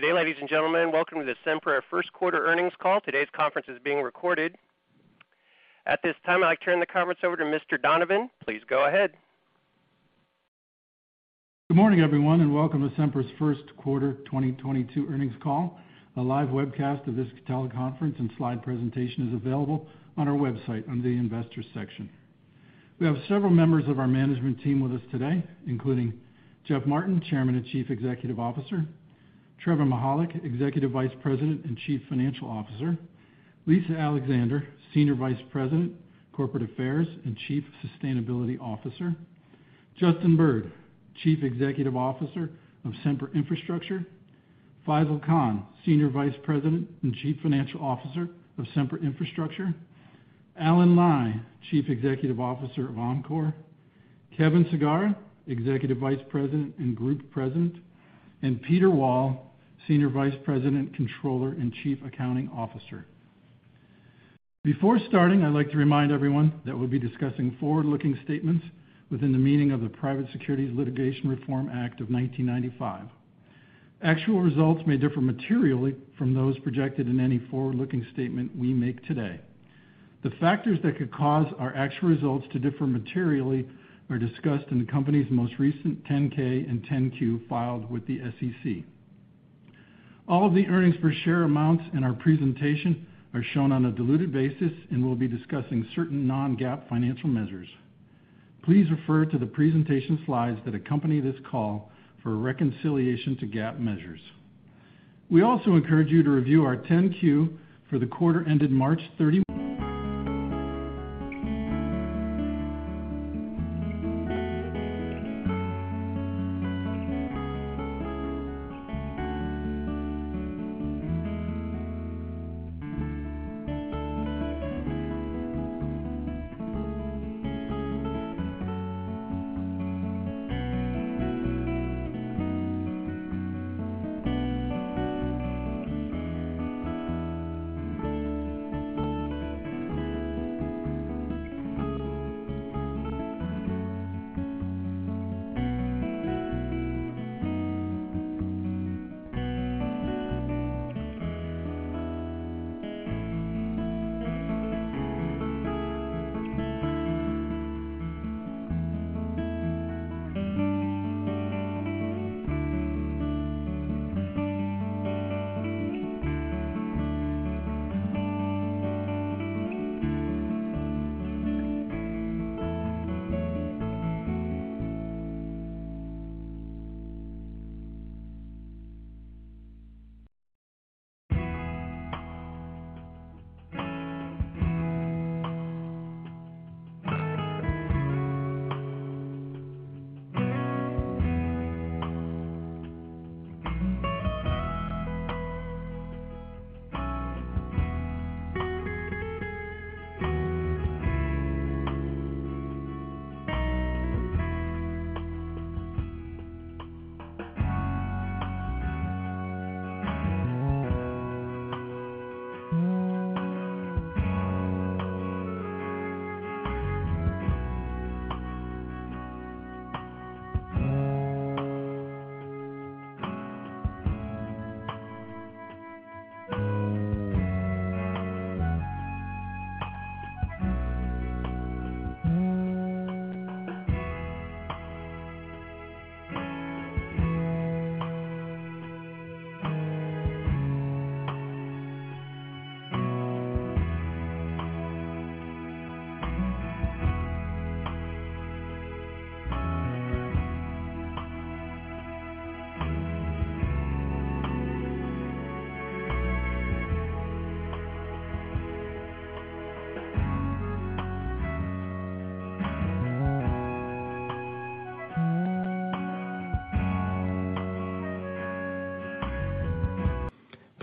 Good day, ladies and gentlemen. Welcome to the Sempra first quarter earnings call. Today's conference is being recorded. At this time, I'd like to turn the conference over to Mr. Donovan. Please go ahead. Good morning, everyone, and welcome to Sempra's first quarter 2022 earnings call. A live webcast of this teleconference and slide presentation is available on our website under the investors section. We have several members of our management team with us today, including Jeff Martin, Chairman and Chief Executive Officer, Trevor Mihalik, Executive Vice President and Chief Financial Officer, Lisa Alexander, Senior Vice President, Corporate Affairs and Chief Sustainability Officer, Justin Bird, Chief Executive Officer of Sempra Infrastructure, Faisel Khan, Senior Vice President and Chief Financial Officer of Sempra Infrastructure, Allen Nye, Chief Executive Officer of Oncor, Kevin Sagara, Executive Vice President and Group President, and Peter Wall, Senior Vice President, Controller and Chief Accounting Officer. Before starting, I'd like to remind everyone that we'll be discussing forward-looking statements within the meaning of the Private Securities Litigation Reform Act of 1995. Actual results may differ materially from those projected in any forward-looking statement we make today. The factors that could cause our actual results to differ materially are discussed in the company's most recent 10-K and 10-Q filed with the SEC. All of the earnings per share amounts in our presentation are shown on a diluted basis, and we'll be discussing certain non-GAAP financial measures. Please refer to the presentation slides that accompany this call for a reconciliation to GAAP measures. We also encourage you to review our 10-Q for the quarter ended March 31.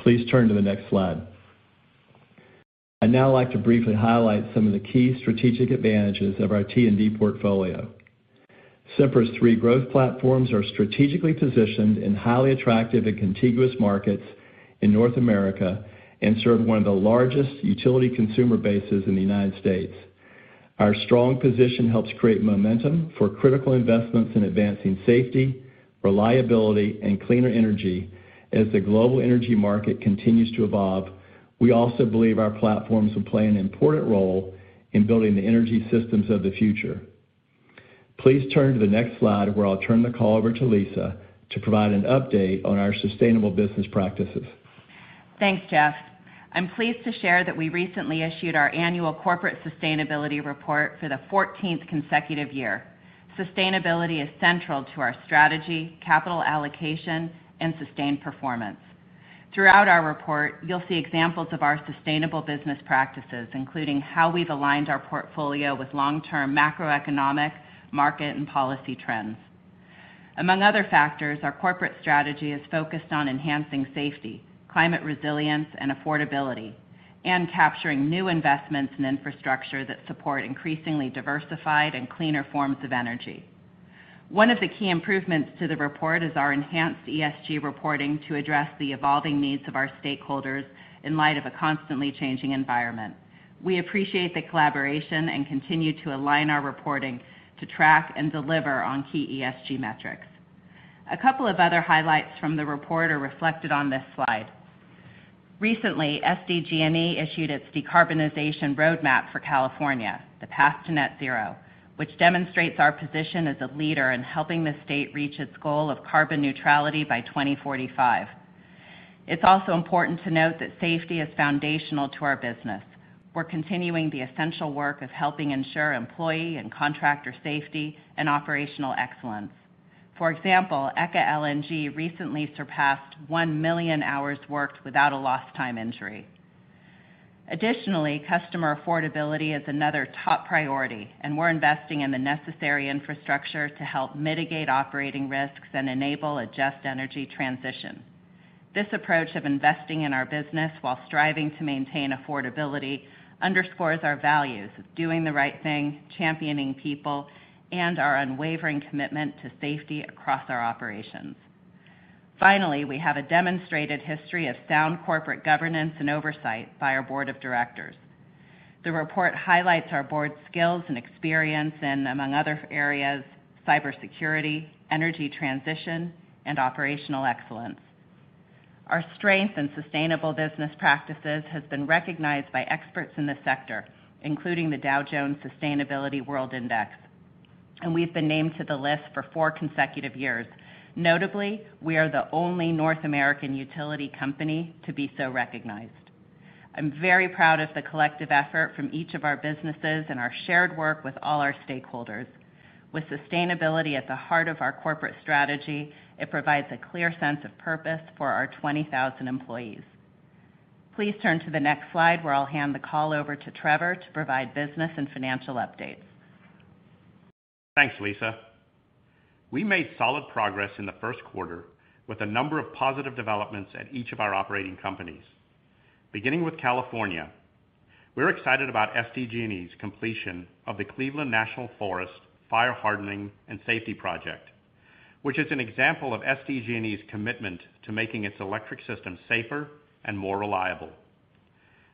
Please turn to the next slide. I'd now like to briefly highlight some of the key strategic advantages of our T&D portfolio. Sempra's three growth platforms are strategically positioned in highly attractive and contiguous markets in North America and serve one of the largest utility consumer bases in the United States. Our strong position helps create momentum for critical investments in advancing safety, reliability, and cleaner energy. As the global energy market continues to evolve, we also believe our platforms will play an important role in building the energy systems of the future. Please turn to the next slide, where I'll turn the call over to Lisa to provide an update on our sustainable business practices. Thanks, Jeff. I'm pleased to share that we recently issued our annual corporate sustainability report for the fourteenth consecutive year. Sustainability is central to our strategy, capital allocation, and sustained performance. Throughout our report, you'll see examples of our sustainable business practices, including how we've aligned our portfolio with long-term macroeconomic market and policy trends. Among other factors, our corporate strategy is focused on enhancing safety, climate resilience, and affordability, and capturing new investments in infrastructure that support increasingly diversified and cleaner forms of energy. One of the key improvements to the report is our enhanced ESG reporting to address the evolving needs of our stakeholders in light of a constantly changing environment. We appreciate the collaboration and continue to align our reporting to track and deliver on key ESG metrics. A couple of other highlights from the report are reflected on this slide. Recently, SDG&E issued its decarbonization roadmap for California, The Path to Net Zero, which demonstrates our position as a leader in helping the state reach its goal of carbon neutrality by 2045. It's also important to note that safety is foundational to our business. We're continuing the essential work of helping ensure employee and contractor safety and operational excellence. For example, ECA LNG recently surpassed one million hours worked without a lost time injury. Additionally, customer affordability is another top priority, and we're investing in the necessary infrastructure to help mitigate operating risks and enable a just energy transition. This approach of investing in our business while striving to maintain affordability underscores our values of doing the right thing, championing people, and our unwavering commitment to safety across our operations. Finally, we have a demonstrated history of sound corporate governance and oversight by our Board of Directors. The report highlights our board's skills and experience in, among other areas, cybersecurity, energy transition, and operational excellence. Our strength and sustainable business practices has been recognized by experts in the sector, including the Dow Jones Sustainability World Index, and we've been named to the list for four consecutive years. Notably, we are the only North American utility company to be so recognized. I'm very proud of the collective effort from each of our businesses and our shared work with all our stakeholders. With sustainability at the heart of our corporate strategy, it provides a clear sense of purpose for our 20,000 employees. Please turn to the next slide, where I'll hand the call over to Trevor to provide business and financial updates. Thanks, Lisa. We made solid progress in the first quarter with a number of positive developments at each of our operating companies. Beginning with California, we're excited about SDG&E's completion of the Cleveland National Forest Fire Hardening and Safety Project, which is an example of SDG&E's commitment to making its electric system safer and more reliable.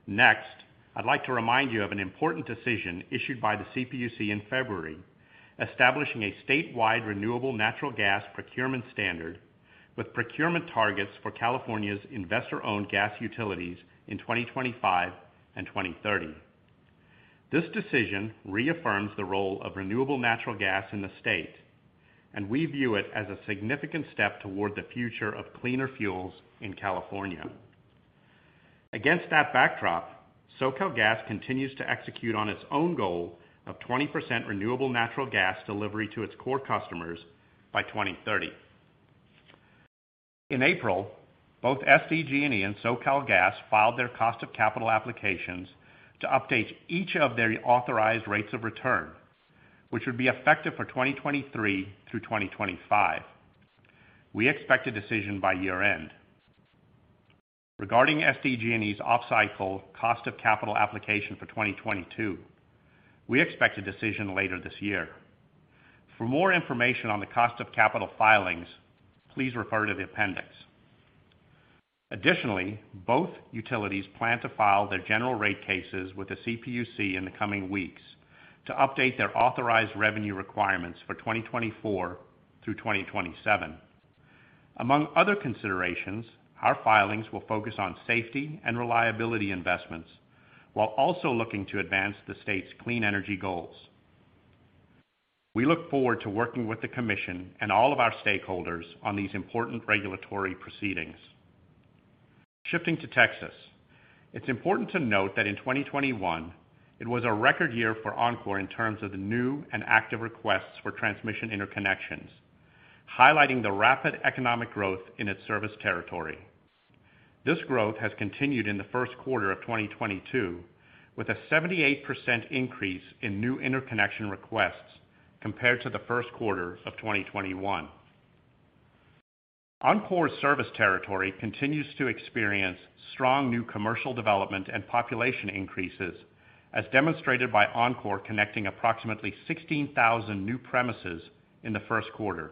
Next, I'd like to remind you of an important decision issued by the CPUC in February, establishing a statewide renewable natural gas procurement standard with procurement targets for California's investor-owned gas utilities in 2025 and 2030. This decision reaffirms the role of renewable natural gas in the state, and we view it as a significant step toward the future of cleaner fuels in California. Against that backdrop, SoCalGas continues to execute on its own goal of 20% renewable natural gas delivery to its core customers by 2030. In April, both SDG&E and SoCalGas filed their cost of capital applications to update each of their authorized rates of return, which would be effective for 2023 through 2025. We expect a decision by year-end. Regarding SDG&E's off-cycle cost of capital application for 2022, we expect a decision later this year. For more information on the cost of capital filings, please refer to the appendix. Additionally, both utilities plan to file their general rate cases with the CPUC in the coming weeks to update their authorized revenue requirements for 2024 through 2027. Among other considerations, our filings will focus on safety and reliability investments while also looking to advance the state's clean energy goals. We look forward to working with the commission and all of our stakeholders on these important regulatory proceedings. Shifting to Texas. It's important to note that in 2021, it was a record year for Oncor in terms of the new and active requests for transmission interconnections, highlighting the rapid economic growth in its service territory. This growth has continued in the first quarter of 2022, with a 78% increase in new interconnection requests compared to the first quarter of 2021. Oncor's service territory continues to experience strong new commercial development and population increases as demonstrated by Oncor connecting approximately 16,000 new premises in the first quarter.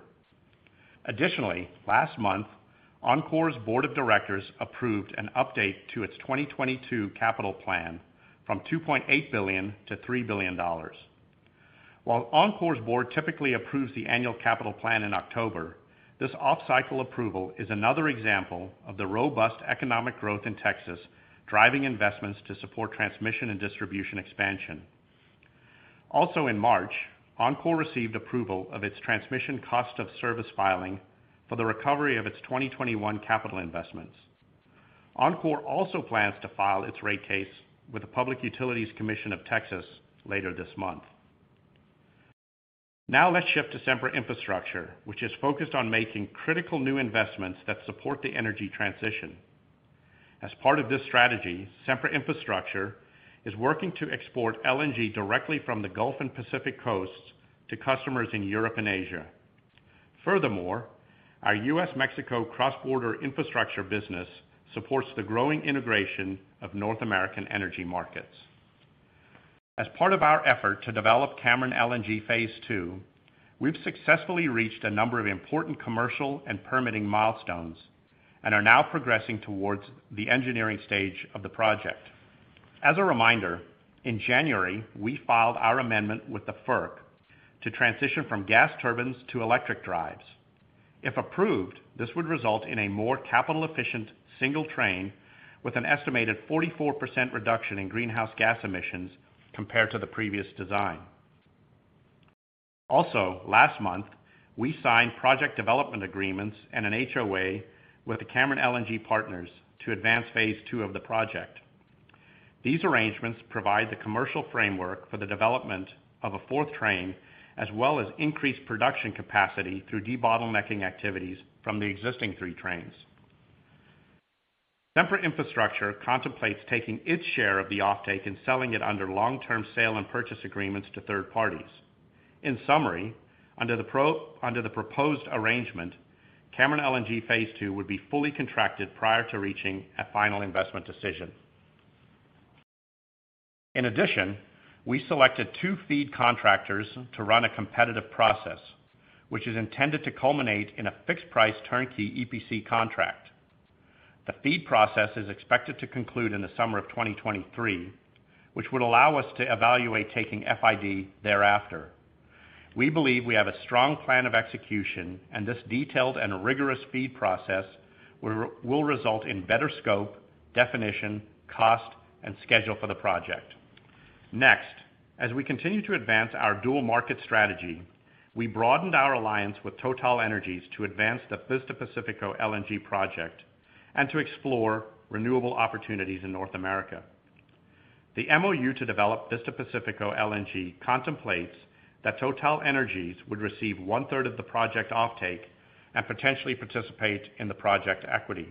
Additionally, last month, Oncor's Board of Directors approved an update to its 2022 capital plan from $2.8 billion-$3 billion. While Oncor's board typically approves the annual capital plan in October, this off-cycle approval is another example of the robust economic growth in Texas driving investments to support transmission and distribution expansion. Also in March, Oncor received approval of its transmission cost of service filing for the recovery of its 2021 capital investments. Oncor also plans to file its rate case with the Public Utility Commission of Texas later this month. Now let's shift to Sempra Infrastructure, which is focused on making critical new investments that support the energy transition. As part of this strategy, Sempra Infrastructure is working to export LNG directly from the Gulf and Pacific coasts to customers in Europe and Asia. Furthermore, our U.S.-Mexico cross-border infrastructure business supports the growing integration of North American energy markets. As part of our effort to develop Cameron LNG Phase 2, we've successfully reached a number of important commercial and permitting milestones and are now progressing towards the engineering stage of the project. As a reminder, in January, we filed our amendment with the FERC to transition from gas turbines to electric drives. If approved, this would result in a more capital-efficient single train with an estimated 44% reduction in greenhouse gas emissions compared to the previous design. Also, last month, we signed project development agreements and an HOA with the Cameron LNG partners to advance Phase 2 of the project. These arrangements provide the commercial framework for the development of a fourth train, as well as increased production capacity through debottlenecking activities from the existing three trains. Sempra Infrastructure contemplates taking its share of the offtake and selling it under long-term sale and purchase agreements to third parties. In summary, under the proposed arrangement, Cameron LNG Phase 2 would be fully contracted prior to reaching a final investment decision. In addition, we selected two FEED contractors to run a competitive process, which is intended to culminate in a fixed price turnkey EPC contract. The FEED process is expected to conclude in the summer of 2023, which would allow us to evaluate taking FID thereafter. We believe we have a strong plan of execution, and this detailed and rigorous FEED process will result in better scope, definition, cost, and schedule for the project. Next, as we continue to advance our dual market strategy, we broadened our alliance with TotalEnergies to advance the Vista Pacífico LNG project and to explore renewable opportunities in North America. The MOU to develop Vista Pacífico LNG contemplates that TotalEnergies would receive one-third of the project offtake and potentially participate in the project equity.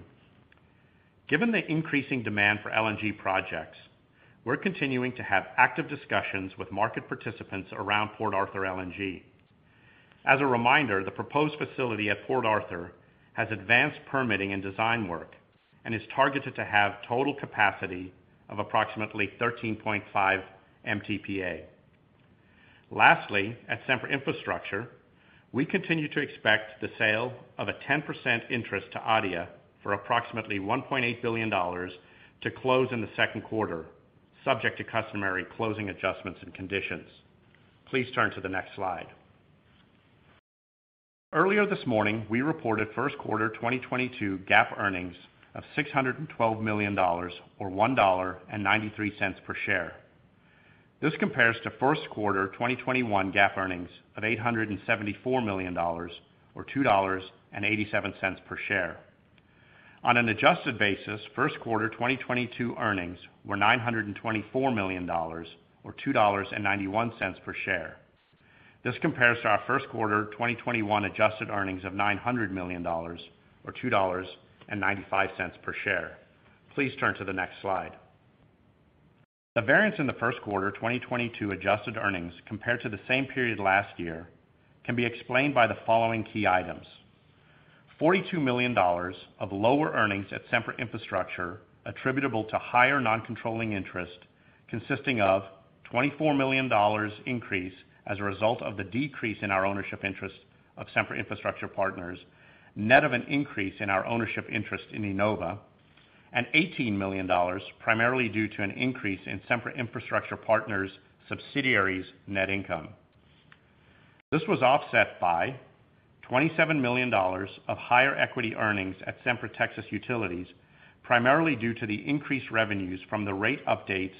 Given the increasing demand for LNG projects, we're continuing to have active discussions with market participants around Port Arthur LNG. As a reminder, the proposed facility at Port Arthur has advanced permitting and design work and is targeted to have total capacity of approximately 13.5 Mtpa. Lastly, at Sempra Infrastructure, we continue to expect the sale of a 10% interest to ADIA for approximately $1.8 billion to close in the second quarter, subject to customary closing adjustments and conditions. Please turn to the next slide. Earlier this morning, we reported first quarter 2022 GAAP earnings of $612 million or $1.93 per share. This compares to first quarter 2021 GAAP earnings of $874 million or $2.87 per share. On an adjusted basis, first quarter 2022 earnings were $924 million or $2.91 per share. This compares to our first quarter 2021 adjusted earnings of $900 million or $2.95 per share. Please turn to the next slide. The variance in the first quarter 2022 adjusted earnings compared to the same period last year can be explained by the following key items. $42 million of lower earnings at Sempra Infrastructure attributable to higher non-controlling interest, consisting of $24 million increase as a result of the decrease in our ownership interest of Sempra Infrastructure Partners, net of an increase in our ownership interest in IEnova, and $18 million, primarily due to an increase in Sempra Infrastructure Partners subsidiaries' net income. This was offset by $27 million of higher equity earnings at Sempra Texas Utilities, primarily due to the increased revenues from the rate updates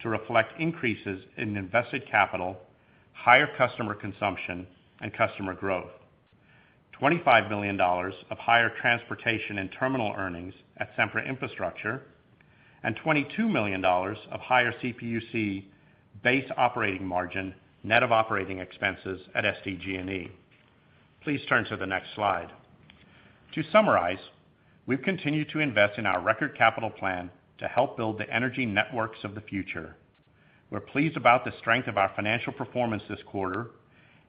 to reflect increases in invested capital, higher customer consumption, and customer growth. $25 million of higher transportation and terminal earnings at Sempra Infrastructure, and $22 million of higher CPUC base operating margin, net of operating expenses at SDG&E. Please turn to the next slide. To summarize, we've continued to invest in our record capital plan to help build the energy networks of the future. We're pleased about the strength of our financial performance this quarter,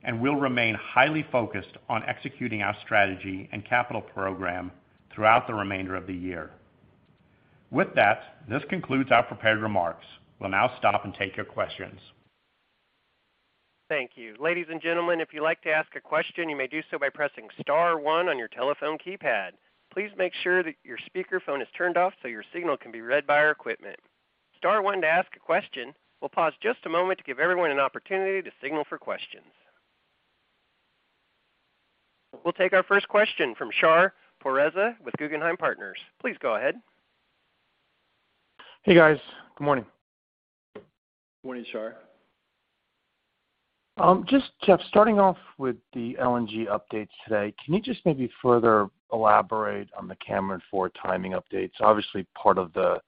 and we'll remain highly focused on executing our strategy and capital program throughout the remainder of the year. With that, this concludes our prepared remarks. We'll now stop and take your questions. Thank you. Ladies and gentlemen, if you'd like to ask a question, you may do so by pressing star one on your telephone keypad. Please make sure that your speaker phone is turned off so your signal can be read by our equipment. Star one to ask a question. We'll pause just a moment to give everyone an opportunity to signal for questions. We'll take our first question from Shar Pourreza with Guggenheim Partners. Please go ahead. Hey, guys. Good morning. Morning, Shar. Just, Jeff, starting off with the LNG updates today, can you just maybe further elaborate on the Cameron 4 timing updates? Obviously, part of the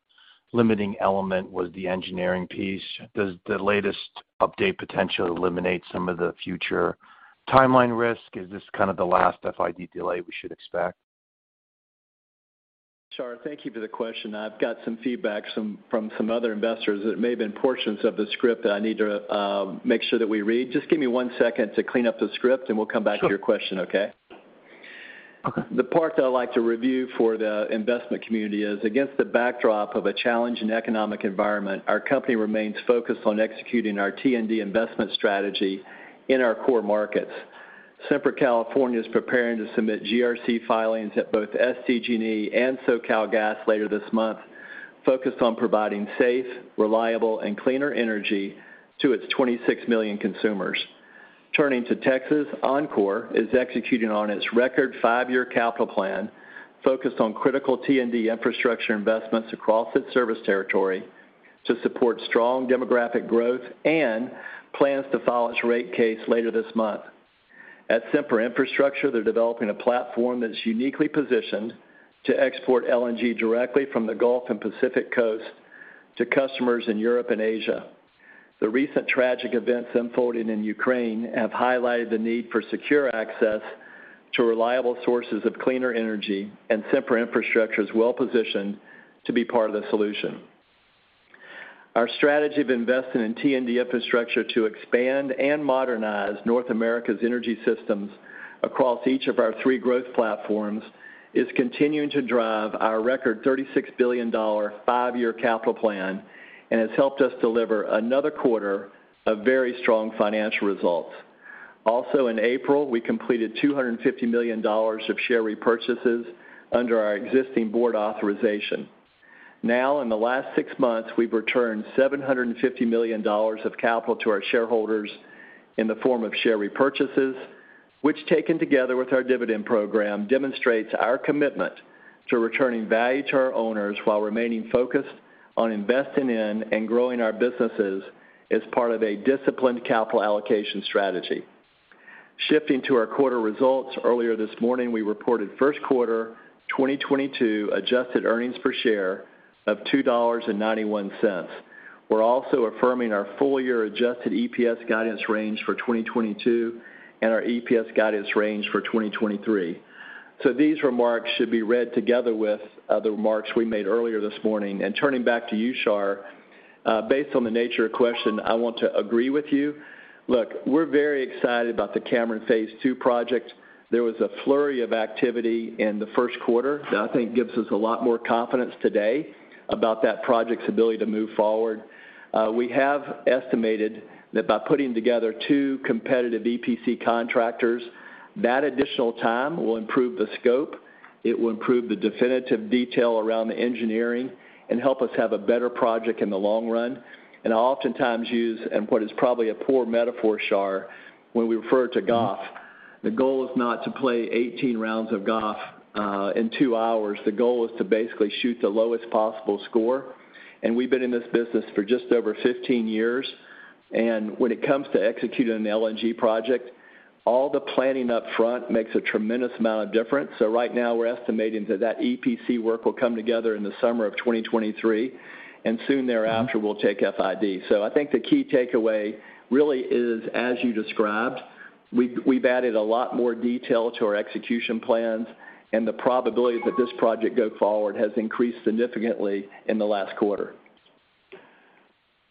limiting element was the engineering piece. Does the latest update potentially eliminate some of the future timeline risk? Is this kind of the last FID delay we should expect? Shar, thank you for the question. I've got some feedback from some other investors that may have been portions of the script that I need to make sure that we read. Just give me one second to clean up the script, and we'll come back to your question, okay? Okay. The part that I'd like to review for the investment community is against the backdrop of a challenging economic environment, our company remains focused on executing our T&D investment strategy in our core markets. Sempra California is preparing to submit GRC filings at both SDG&E and SoCalGas later this month, focused on providing safe, reliable, and cleaner energy to its 26 million consumers. Turning to Texas, Oncor is executing on its record five-year capital plan, focused on critical T&D infrastructure investments across its service territory to support strong demographic growth and plans to file its rate case later this month. At Sempra Infrastructure, they're developing a platform that is uniquely positioned to export LNG directly from the Gulf and Pacific Coast to customers in Europe and Asia. The recent tragic events unfolding in Ukraine have highlighted the need for secure access to reliable sources of cleaner energy, and Sempra Infrastructure is well-positioned to be part of the solution. Our strategy of investing in T&D infrastructure to expand and modernize North America's energy systems across each of our three growth platforms is continuing to drive our record $36 billion five-year capital plan and has helped us deliver another quarter of very strong financial results. Also, in April, we completed $250 million of share repurchases under our existing board authorization. Now, in the last six months, we've returned $750 million of capital to our shareholders in the form of share repurchases, which taken together with our dividend program, demonstrates our commitment to returning value to our owners while remaining focused on investing in and growing our businesses as part of a disciplined capital allocation strategy. Shifting to our quarterly results, earlier this morning, we reported first quarter 2022 adjusted earnings per share of $2.91. We're also affirming our full-year adjusted EPS guidance range for 2022 and our EPS guidance range for 2023. These remarks should be read together with the remarks we made earlier this morning. Turning back to you, Shar, based on the nature of question, I want to agree with you. Look, we're very excited about the Cameron Phase 2 project. There was a flurry of activity in the first quarter that I think gives us a lot more confidence today about that project's ability to move forward. We have estimated that by putting together two competitive EPC contractors, that additional time will improve the scope, it will improve the definitive detail around the engineering, and help us have a better project in the long run. I oftentimes use, and what is probably a poor metaphor, Shar, when we refer to golf. The goal is not to play 18 rounds of golf in two hours. The goal is to basically shoot the lowest possible score. We've been in this business for just over 15 years, and when it comes to executing an LNG project, all the planning up front makes a tremendous amount of difference. Right now, we're estimating that that EPC work will come together in the summer of 2023, and soon thereafter, we'll take FID. So I think the key takeaway really is, as you described, we've added a lot more detail to our execution plans, and the probability that this project go forward has increased significantly in the last quarter.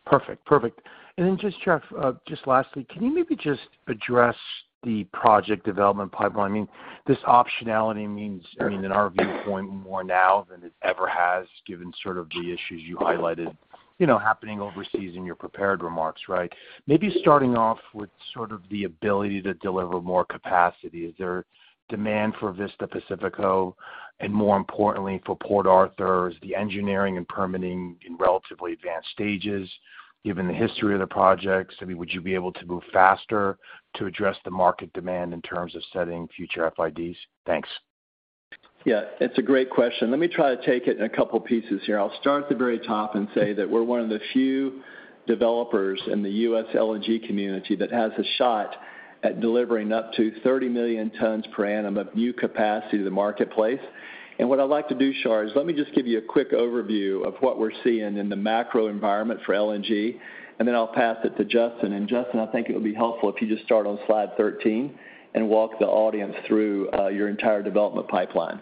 Perfect. Perfect. And then just, Jeff, just lastly, can you maybe just address the project development pipeline? I mean, this optionality means, I mean, in our viewpoint, more now than it ever has, given sort of the issues you highlighted, you know, happening overseas in your prepared remarks, right? Maybe starting off with sort of the ability to deliver more capacity. Is there demand for Vista Pacífico, and more importantly, for Port Arthur? Is the engineering and permitting in relatively advanced stages? Given the history of the projects, I mean, would you be able to move faster to address the market demand in terms of setting future FIDs? Thanks. Yeah, it's a great question. Let me try to take it in a couple pieces here. I'll start at the very top and say that we're one of the few developers in the U.S. LNG community that has a shot at delivering up to 30 million tons per annum of new capacity to the marketplace. What I'd like to do, Shar, is let me just give you a quick overview of what we're seeing in the macro environment for LNG, and then I'll pass it to Justin. And Justin, I think it would be helpful if you just start on slide 13 and walk the audience through your entire development pipeline.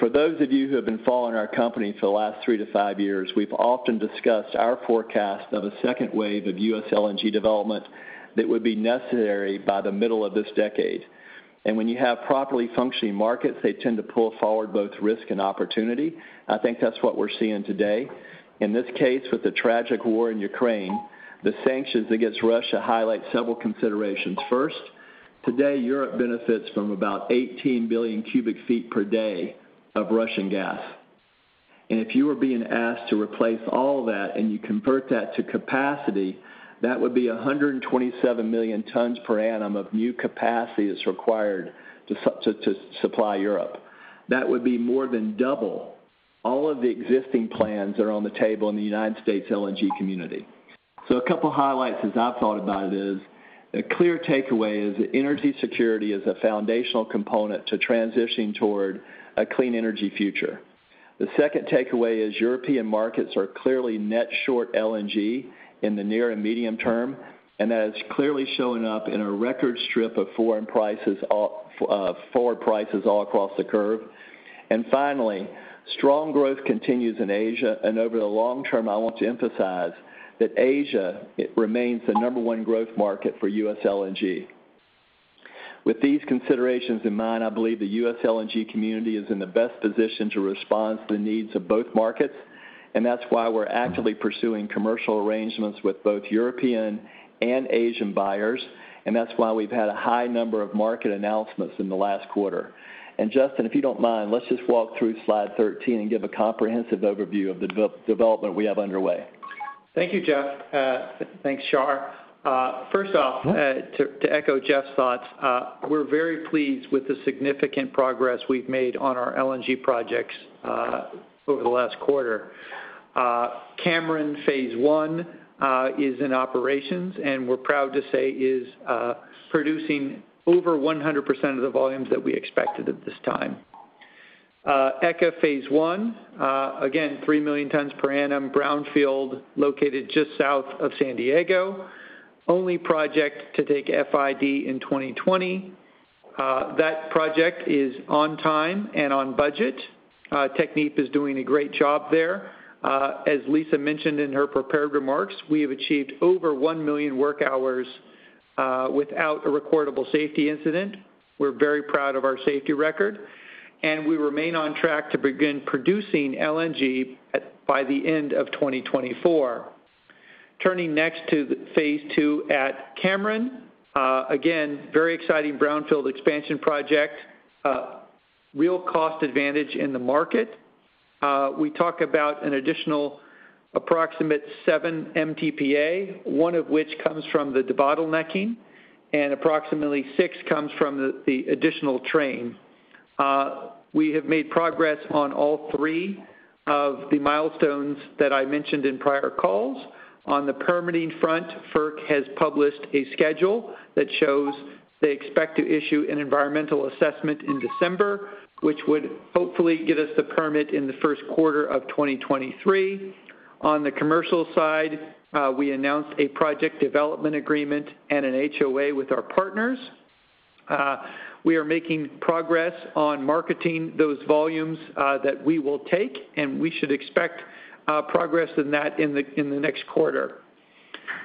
For those of you who have been following our company for the last three to five years, we've often discussed our forecast of a second wave of U.S. LNG development that would be necessary by the middle of this decade. When you have properly functioning markets, they tend to pull forward both risk and opportunity. I think that's what we're seeing today. In this case, with the tragic war in Ukraine, the sanctions against Russia highlight several considerations. First, today, Europe benefits from about 18 billion cubic feet per day of Russian gas. If you were being asked to replace all that and you convert that to capacity, that would be 127 million tons per annum of new capacity required to supply Europe. That would be more than double all of the existing plans that are on the table in the United States LNG community. A couple highlights as I thought about it is, a clear takeaway is that energy security is a foundational component to transitioning toward a clean energy future. The second takeaway is European markets are clearly net short LNG in the near and medium term, and that is clearly showing up in a record strip of forward prices all across the curve. Finally, strong growth continues in Asia, and over the long term, I want to emphasize that Asia, it remains the number one growth market for U.S. LNG. With these considerations in mind, I believe the U.S. LNG community is in the best position to respond to the needs of both markets. That's why we're actively pursuing commercial arrangements with both European and Asian buyers. That's why we've had a high number of market announcements in the last quarter. And Justin, if you don't mind, let's just walk through slide 13 and give a comprehensive overview of the development we have underway. Thank you, Jeff. Thanks, Shar. First off, to echo Jeff's thoughts, we're very pleased with the significant progress we've made on our LNG projects over the last quarter. Cameron Phase 1 is in operations, and we're proud to say is producing over 100% of the volumes that we expected at this time. ECA Phase One, again, 3 million tons per annum, brownfield, located just south of San Diego. Only project to take FID in 2020. That project is on time and on budget. Technip is doing a great job there. As Lisa mentioned in her prepared remarks, we have achieved over one million work hours without a recordable safety incident. We're very proud of our safety record, and we remain on track to begin producing LNG by the end of 2024. Turning next to the Phase 2 at Cameron. Again, very exciting brownfield expansion project. Real cost advantage in the market. We talk about an additional approximate seven Mtpa, one of which comes from the debottlenecking, and approximately six comes from the additional train. We have made progress on all three of the milestones that I mentioned in prior calls. On the permitting front, FERC has published a schedule that shows they expect to issue an environmental assessment in December, which would hopefully get us the permit in the first quarter of 2023. On the commercial side, we announced a project development agreement and an HOA with our partners. We are making progress on marketing those volumes that we will take, and we should expect progress in that in the next quarter.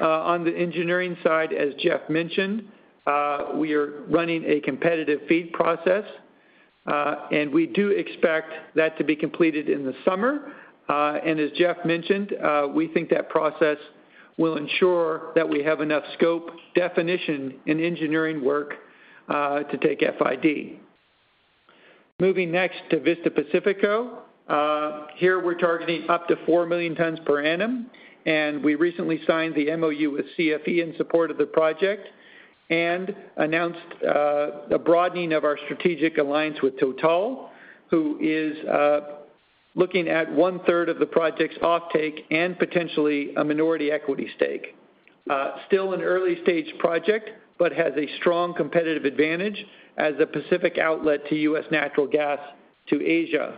On the engineering side, as Jeff mentioned, we are running a competitive FEED process. We do expect that to be completed in the summer. As Jeff mentioned, we think that process will ensure that we have enough scope, definition, and engineering work to take FID. Moving next to Vista Pacífico. Here we're targeting up to 4 million tons per annum, and we recently signed the MOU with CFE in support of the project, and announced a broadening of our strategic alliance with Total, who is looking at one-third of the project's offtake and potentially a minority equity stake. Still an early-stage project, but has a strong competitive advantage as a Pacific outlet to U.S. natural gas to Asia.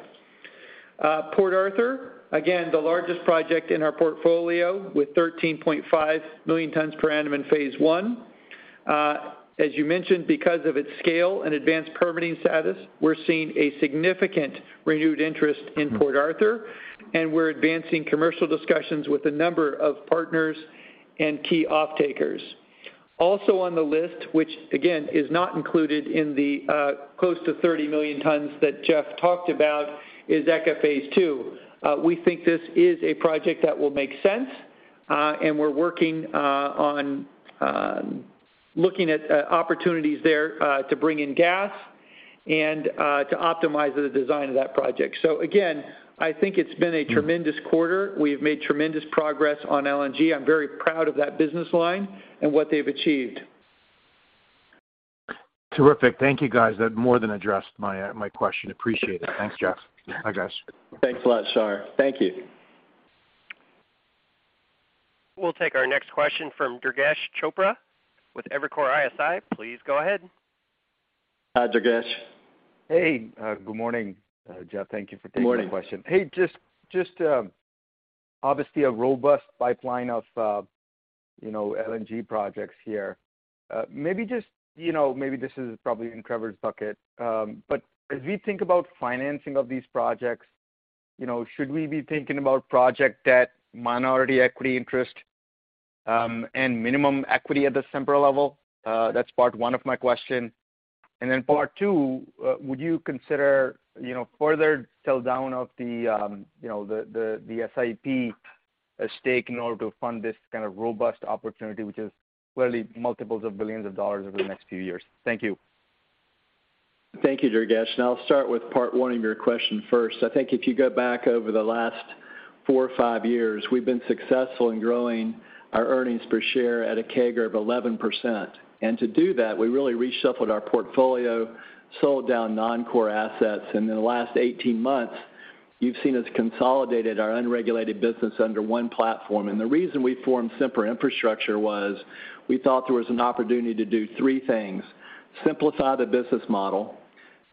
Port Arthur, again, the largest project in our portfolio with 13.5 million tons per annum in Phase 1. As you mentioned, because of its scale and advanced permitting status, we're seeing a significant renewed interest in Port Arthur, and we're advancing commercial discussions with a number of partners and key offtakers. Also on the list, which again, is not included in the close to 30 million tons that Jeff talked about, is ECA Phase 2. We think this is a project that will make sense, and we're working on looking at opportunities there, to bring in gas and to optimize the design of that project. Again, I think it's been a tremendous quarter. We've made tremendous progress on LNG. I'm very proud of that business line and what they've achieved. Terrific. Thank you, guys. That more than addressed my question. Appreciate it. Thanks, Jeff. Bye, guys. Thanks a lot, Shar. Thank you. We'll take our next question from Durgesh Chopra with Evercore ISI. Please go ahead. Hi, Durgesh. Hey, good morning, Jeff. Thank you for taking my question. Good morning. Hey, just obviously a robust pipeline of, you know, LNG projects here. Maybe just, you know, maybe this is probably in covered bucket, but as we think about financing of these projects, you know, should we be thinking about project debt, minority equity interest, and minimum equity at the Sempra level? That's part one of my question. Part two, would you consider, you know, further sell down of the, you know, the SIP stake in order to fund this kind of robust opportunity, which is clearly multiples of billions of dollars over the next few years? Thank you. Thank you, Durgesh. I'll start with part one of your question first. I think if you go back over the last four or five years, we've been successful in growing our earnings per share at a CAGR of 11%. To do that, we really reshuffled our portfolio, sold down non-core assets, and in the last 18 months, you've seen us consolidated our unregulated business under one platform. The reason we formed Sempra Infrastructure was we thought there was an opportunity to do three things, simplify the business model,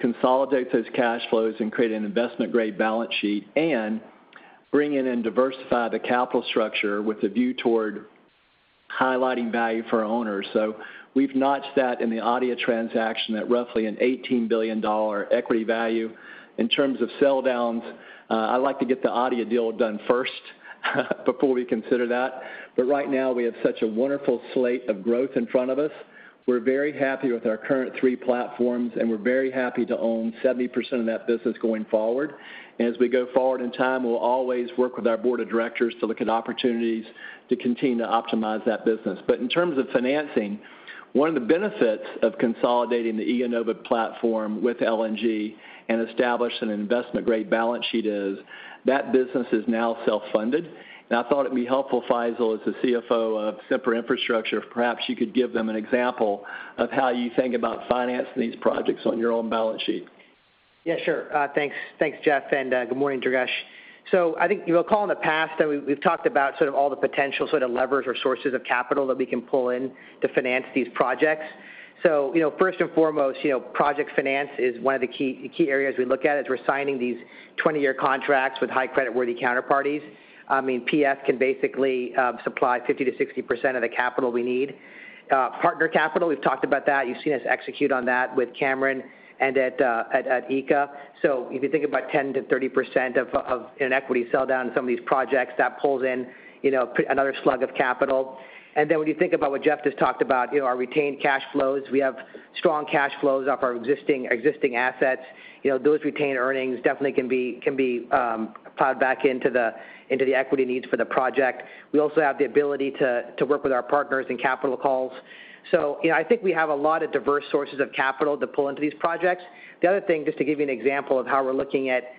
consolidate those cash flows, and create an investment-grade balance sheet, and bring in and diversify the capital structure with a view toward highlighting value for our owners. We've notched that in the ADIA transaction at roughly an $18 billion equity value. In terms of sell downs, I'd like to get the ADIA deal done first. Before we consider that. Right now, we have such a wonderful slate of growth in front of us. We're very happy with our current three platforms, and we're very happy to own 70% of that business going forward. As we go forward in time, we'll always work with our Board of Directors to look at opportunities to continue to optimize that business. In terms of financing, one of the benefits of consolidating the IEnova platform with LNG and establish an investment-grade balance sheet is that business is now self-funded. I thought it'd be helpful, Faisel, as the CFO of Sempra Infrastructure, perhaps you could give them an example of how you think about financing these projects on your own balance sheet. Yeah, sure. Thanks, Jeff, and good morning, Durgesh. I think you'll recall in the past that we've talked about sort of all the potential sort of levers or sources of capital that we can pull in to finance these projects. You know, first and foremost, you know, project finance is one of the key areas we look at as we're signing these 20-year contracts with high creditworthy counterparties. I mean, PF can basically supply 50%-60% of the capital we need. Partner capital, we've talked about that. You've seen us execute on that with Cameron and at ECA. If you think about 10%-30% of an equity sell-down in some of these projects, that pulls in, you know, another slug of capital. When you think about what Jeff just talked about, you know, our retained cash flows, we have strong cash flows off our existing assets. You know, those retained earnings definitely can be plowed back into the equity needs for the project. We also have the ability to work with our partners in capital calls. You know, I think we have a lot of diverse sources of capital to pull into these projects. The other thing, just to give you an example of how we're looking at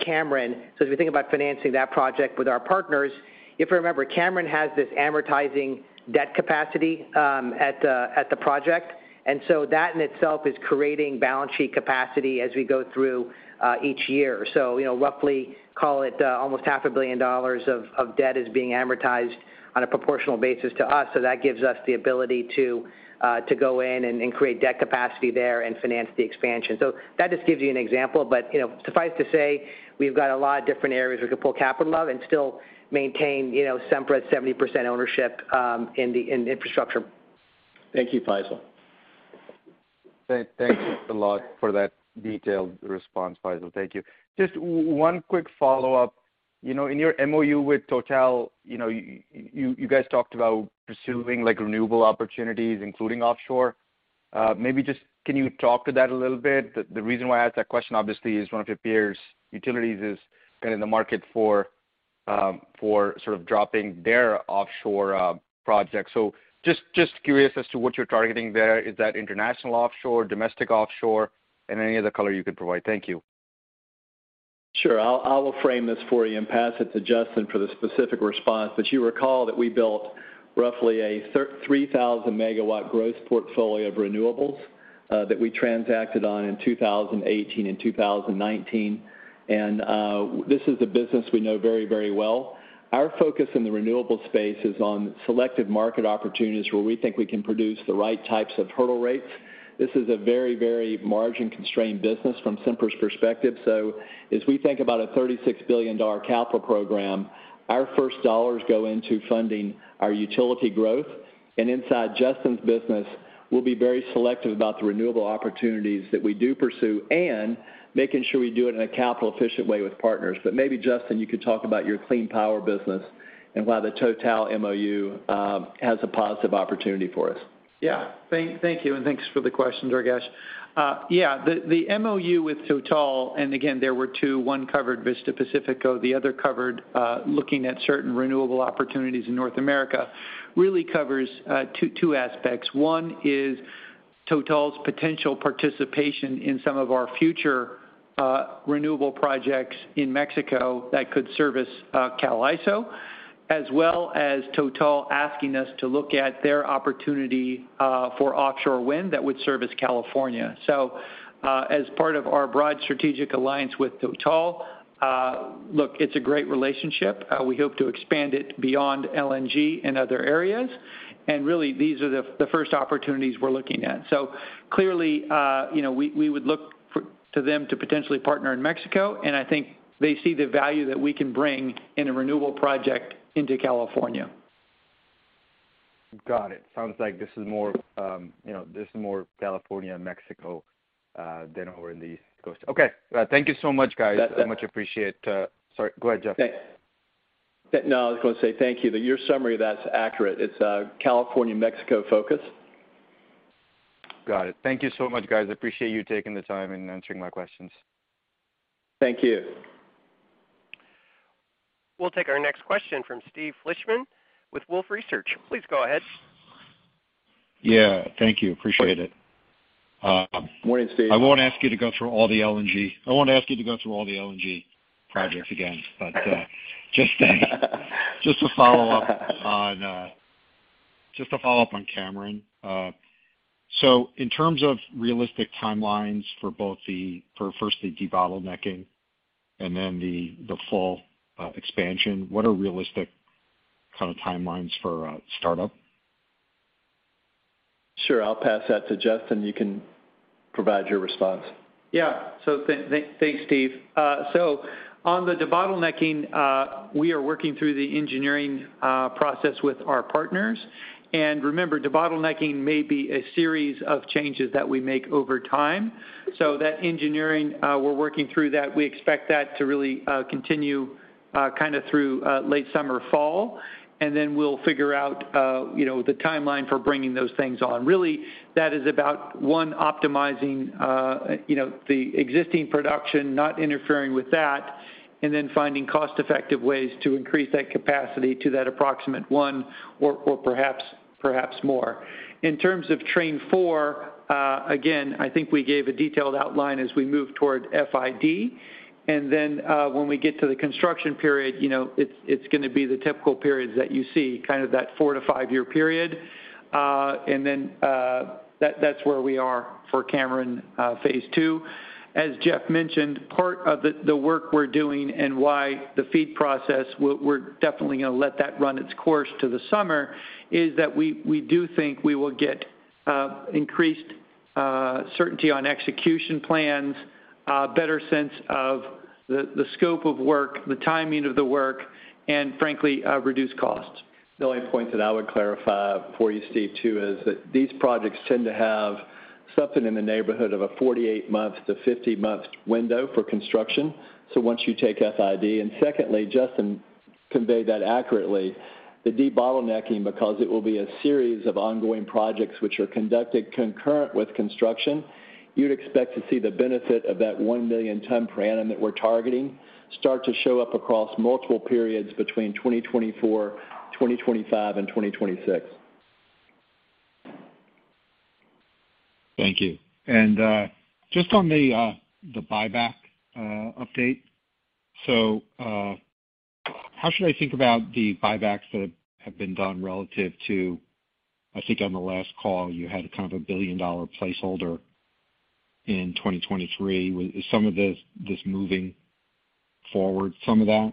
Cameron, so as we think about financing that project with our partners, if you remember, Cameron has this amortizing debt capacity at the project. That in itself is creating balance sheet capacity as we go through each year. You know, roughly call it almost $0.5 billion of debt is being amortized on a proportional basis to us, so that gives us the ability to go in and create debt capacity there and finance the expansion. That just gives you an example. You know, suffice to say, we've got a lot of different areas we could pull capital from and still maintain, you know, Sempra's 70% ownership in infrastructure. Thank you, Faisel. Thank you a lot for that detailed response, Faisel. Thank you. Just one quick follow-up. You know, in your MOU with Total, you know, you guys talked about pursuing like renewable opportunities, including offshore. Maybe just can you talk to that a little bit? The reason why I ask that question obviously is one of your peers, Utilities, is kind of in the market for sort of dropping their offshore project. So just curious as to what you're targeting there. Is that international offshore, domestic offshore, and any other color you could provide. Thank you. Sure. I will frame this for you and pass it to Justin for the specific response. You recall that we built roughly a 3,000 mw growth portfolio of renewables that we transacted on in 2018 and 2019. This is a business we know very, very well. Our focus in the renewable space is on selective market opportunities where we think we can produce the right types of hurdle rates. This is a very, very margin-constrained business from Sempra's perspective. As we think about a $36 billion capital program, our first dollars go into funding our utility growth. Inside Justin's business, we'll be very selective about the renewable opportunities that we do pursue and making sure we do it in a capital efficient way with partners. Maybe, Justin, you could talk about your clean power business and why the Total MOU has a positive opportunity for us. Thank you, and thanks for the question, Durgesh. The MOU with Total, and again, there were two, one covered Vista Pacífico, the other covered looking at certain renewable opportunities in North America, really covers two aspects. One is Total's potential participation in some of our future renewable projects in Mexico that could service CAISO, as well as Total asking us to look at their opportunity for offshore wind that would service California. As part of our broad strategic alliance with Total, it's a great relationship. We hope to expand it beyond LNG in other areas. These are the first opportunities we're looking at. Clearly, you know, we would look for them to potentially partner in Mexico, and I think they see the value that we can bring in a renewable project into California. Got it. Sounds like this is more, you know, this is more California and Mexico, than over in the East Coast. Okay. Thank you so much, guys. That- I much appreciate. Sorry, go ahead, Jeff. No, I was gonna say thank you. Your summary of that's accurate. It's, California, Mexico focus. Got it. Thank you so much, guys. I appreciate you taking the time and answering my questions. Thank you. We'll take our next question from Steve Fleishman with Wolfe Research. Please go ahead. Yeah. Thank you. Appreciate it. Morning, Steve. I won't ask you to go through all the LNG. I won't ask you to go through all the LNG projects again, but just a follow-up on Cameron. So in terms of realistic timelines for both, first the debottlenecking and then the full expansion, what are realistic kind of timelines for startup? Sure. I'll pass that to Justin. You can provide your response. Thanks, Steve. On the debottlenecking, we are working through the engineering process with our partners. Remember, debottlenecking may be a series of changes that we make over time. That engineering, we're working through that. We expect that to really continue kinda through late summer, fall, and then we'll figure out you know, the timeline for bringing those things on. Really, that is about optimizing you know, the existing production, not interfering with that, and then finding cost-effective ways to increase that capacity to that approximate 1 or perhaps more. In terms of Train 4, again, I think we gave a detailed outline as we move toward FID. When we get to the construction period, you know, it's gonna be the typical periods that you see, kind of that four to five year period. That's where we are for Cameron Phase 2. As Jeff mentioned, part of the work we're doing and why the FEED process, we're definitely gonna let that run its course to the summer, is that we do think we will get increased certainty on execution plans, a better sense of the scope of work, the timing of the work, and frankly, reduced costs. The only point that I would clarify for you, Steve, too, is that these projects tend to have something in the neighborhood of a 48-month-50-month window for construction, so once you take FID. Secondly, Justin conveyed that accurately. The debottlenecking, because it will be a series of ongoing projects which are conducted concurrently with construction, you'd expect to see the benefit of that 1 million ton per annum that we're targeting start to show up across multiple periods between 2024, 2025, and 2026. Thank you. Just on the buyback update. How should I think about the buybacks that have been done relative to—I think on the last call, you had kind of a billion-dollar placeholder in 2023. Is some of this moving forward, some of that?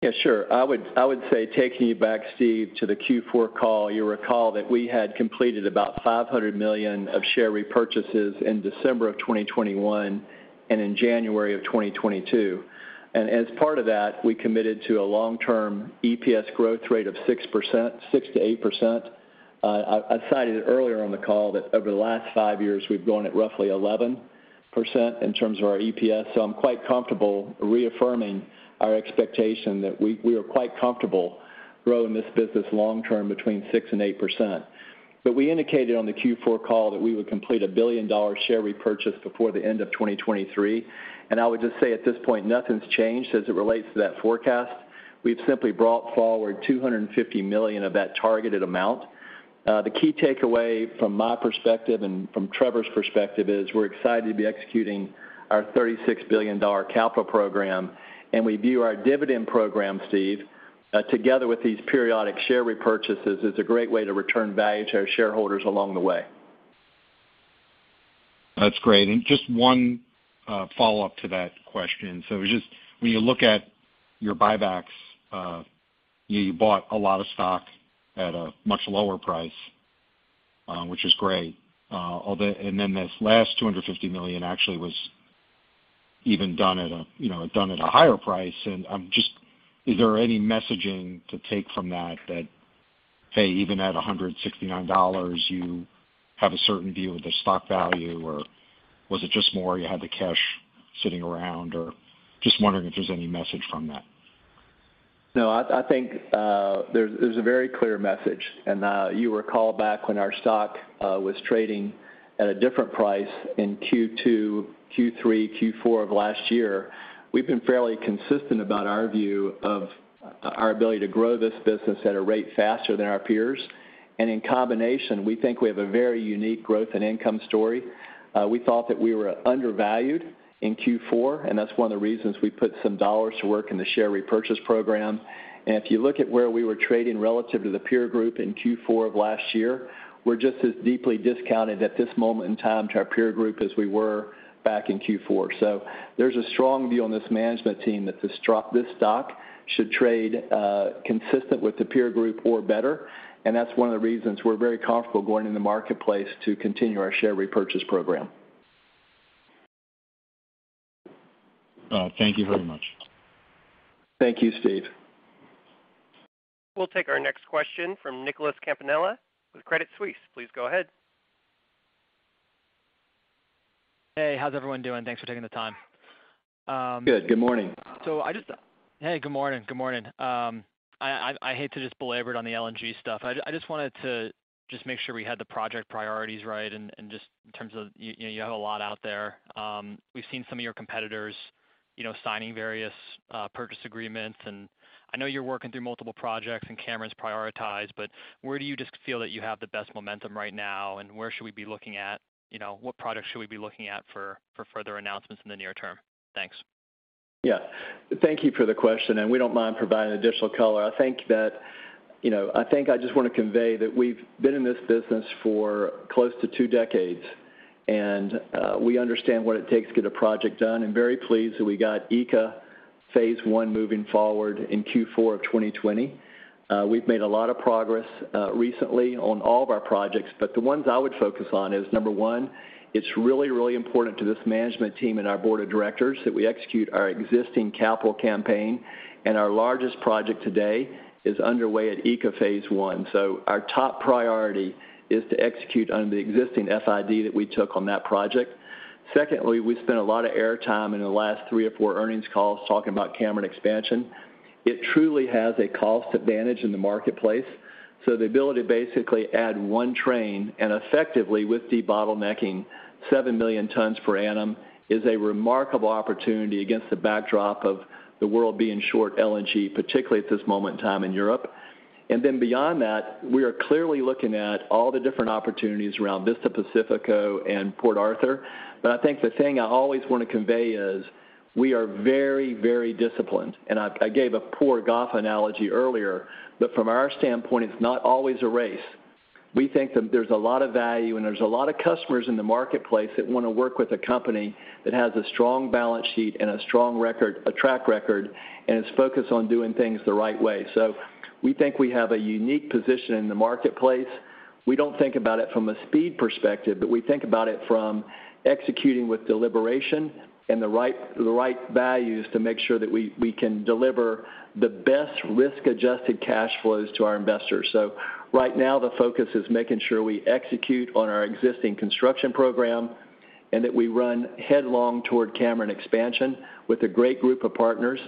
Yeah, sure. I would say, taking you back, Steve, to the Q4 call, you'll recall that we had completed about $500 million of share repurchases in December of 2021 and in January of 2022. As part of that, we committed to a long-term EPS growth rate of 6%, 6%-8%. I cited it earlier on the call that over the last five years we've gone at roughly 11% in terms of our EPS, so I'm quite comfortable reaffirming our expectation that we are quite comfortable growing this business long term between 6%-8%. We indicated on the Q4 call that we would complete a billion-dollar share repurchase before the end of 2023. I would just say at this point, nothing's changed as it relates to that forecast. We've simply brought forward $250 million of that targeted amount. The key takeaway from my perspective and from Trevor's perspective is we're excited to be executing our $36 billion capital program, and we view our dividend program, Steve, together with these periodic share repurchases, as a great way to return value to our shareholders along the way. That's great. Just one follow-up to that question. Just when you look at your buybacks, you bought a lot of stock at a much lower price, which is great, although then this last $250 million actually was even, you know, done at a higher price. Is there any messaging to take from that, hey, even at $169, you have a certain view of the stock value, or was it just more you had the cash sitting around, or just wondering if there's any message from that? No, I think there's a very clear message. You recall when our stock was trading at a different price in Q2, Q3, Q4 of last year. We've been fairly consistent about our view of our ability to grow this business at a rate faster than our peers. In combination, we think we have a very unique growth and income story. We thought that we were undervalued in Q4, and that's one of the reasons we put some dollars to work in the share repurchase program. If you look at where we were trading relative to the peer group in Q4 of last year, we're just as deeply discounted at this moment in time to our peer group as we were back in Q4. There's a strong view on this management team that this stock should trade consistent with the peer group or better. That's one of the reasons we're very comfortable going in the marketplace to continue our share repurchase program. Thank you very much. Thank you, Steve. We'll take our next question from Nicholas Campanella with Credit Suisse. Please go ahead. Hey, how's everyone doing? Thanks for taking the time. Good. Good morning. Hey, good morning. Good morning. I hate to just belabor it on the LNG stuff. I just wanted to just make sure we had the project priorities right and just in terms of, you know, you have a lot out there. We've seen some of your competitors, you know, signing various purchase agreements. I know you're working through multiple projects and Cameron's prioritized, but where do you just feel that you have the best momentum right now, and where should we be looking at? You know, what projects should we be looking at for further announcements in the near term? Thanks. Yeah. Thank you for the question, and we don't mind providing additional color. I think that, you know, I think I just wanna convey that we've been in this business for close to two decades. We understand what it takes to get a project done. I'm very pleased that we got ECA Phase 1 moving forward in Q4 of 2020. We've made a lot of progress recently on all of our projects, but the ones I would focus on is, number one, it's really, really important to this management team and our Board of Directors that we execute our existing capital campaign, and our largest project today is underway at ECA Phase 1. Our top priority is to execute on the existing FID that we took on that project. Secondly, we spent a lot of airtime in the last three or four earnings calls talking about Cameron expansion. It truly has a cost advantage in the marketplace. The ability to basically add one train and effectively with de-bottlenecking 7 million tons per annum is a remarkable opportunity against the backdrop of the world being short LNG, particularly at this moment in time in Europe. Beyond that, we are clearly looking at all the different opportunities around Vista Pacífico and Port Arthur. I think the thing I always wanna convey is we are very, very disciplined. I gave a poor golf analogy earlier, but from our standpoint, it's not always a race. We think that there's a lot of value, and there's a lot of customers in the marketplace that wanna work with a company that has a strong balance sheet and a strong record, a track record, and is focused on doing things the right way. So we think we have a unique position in the marketplace. We don't think about it from a speed perspective, but we think about it from executing with deliberation and the right values to make sure that we can deliver the best risk-adjusted cash flows to our investors. So right now, the focus is making sure we execute on our existing construction program and that we run headlong toward Cameron expansion with a great group of partners.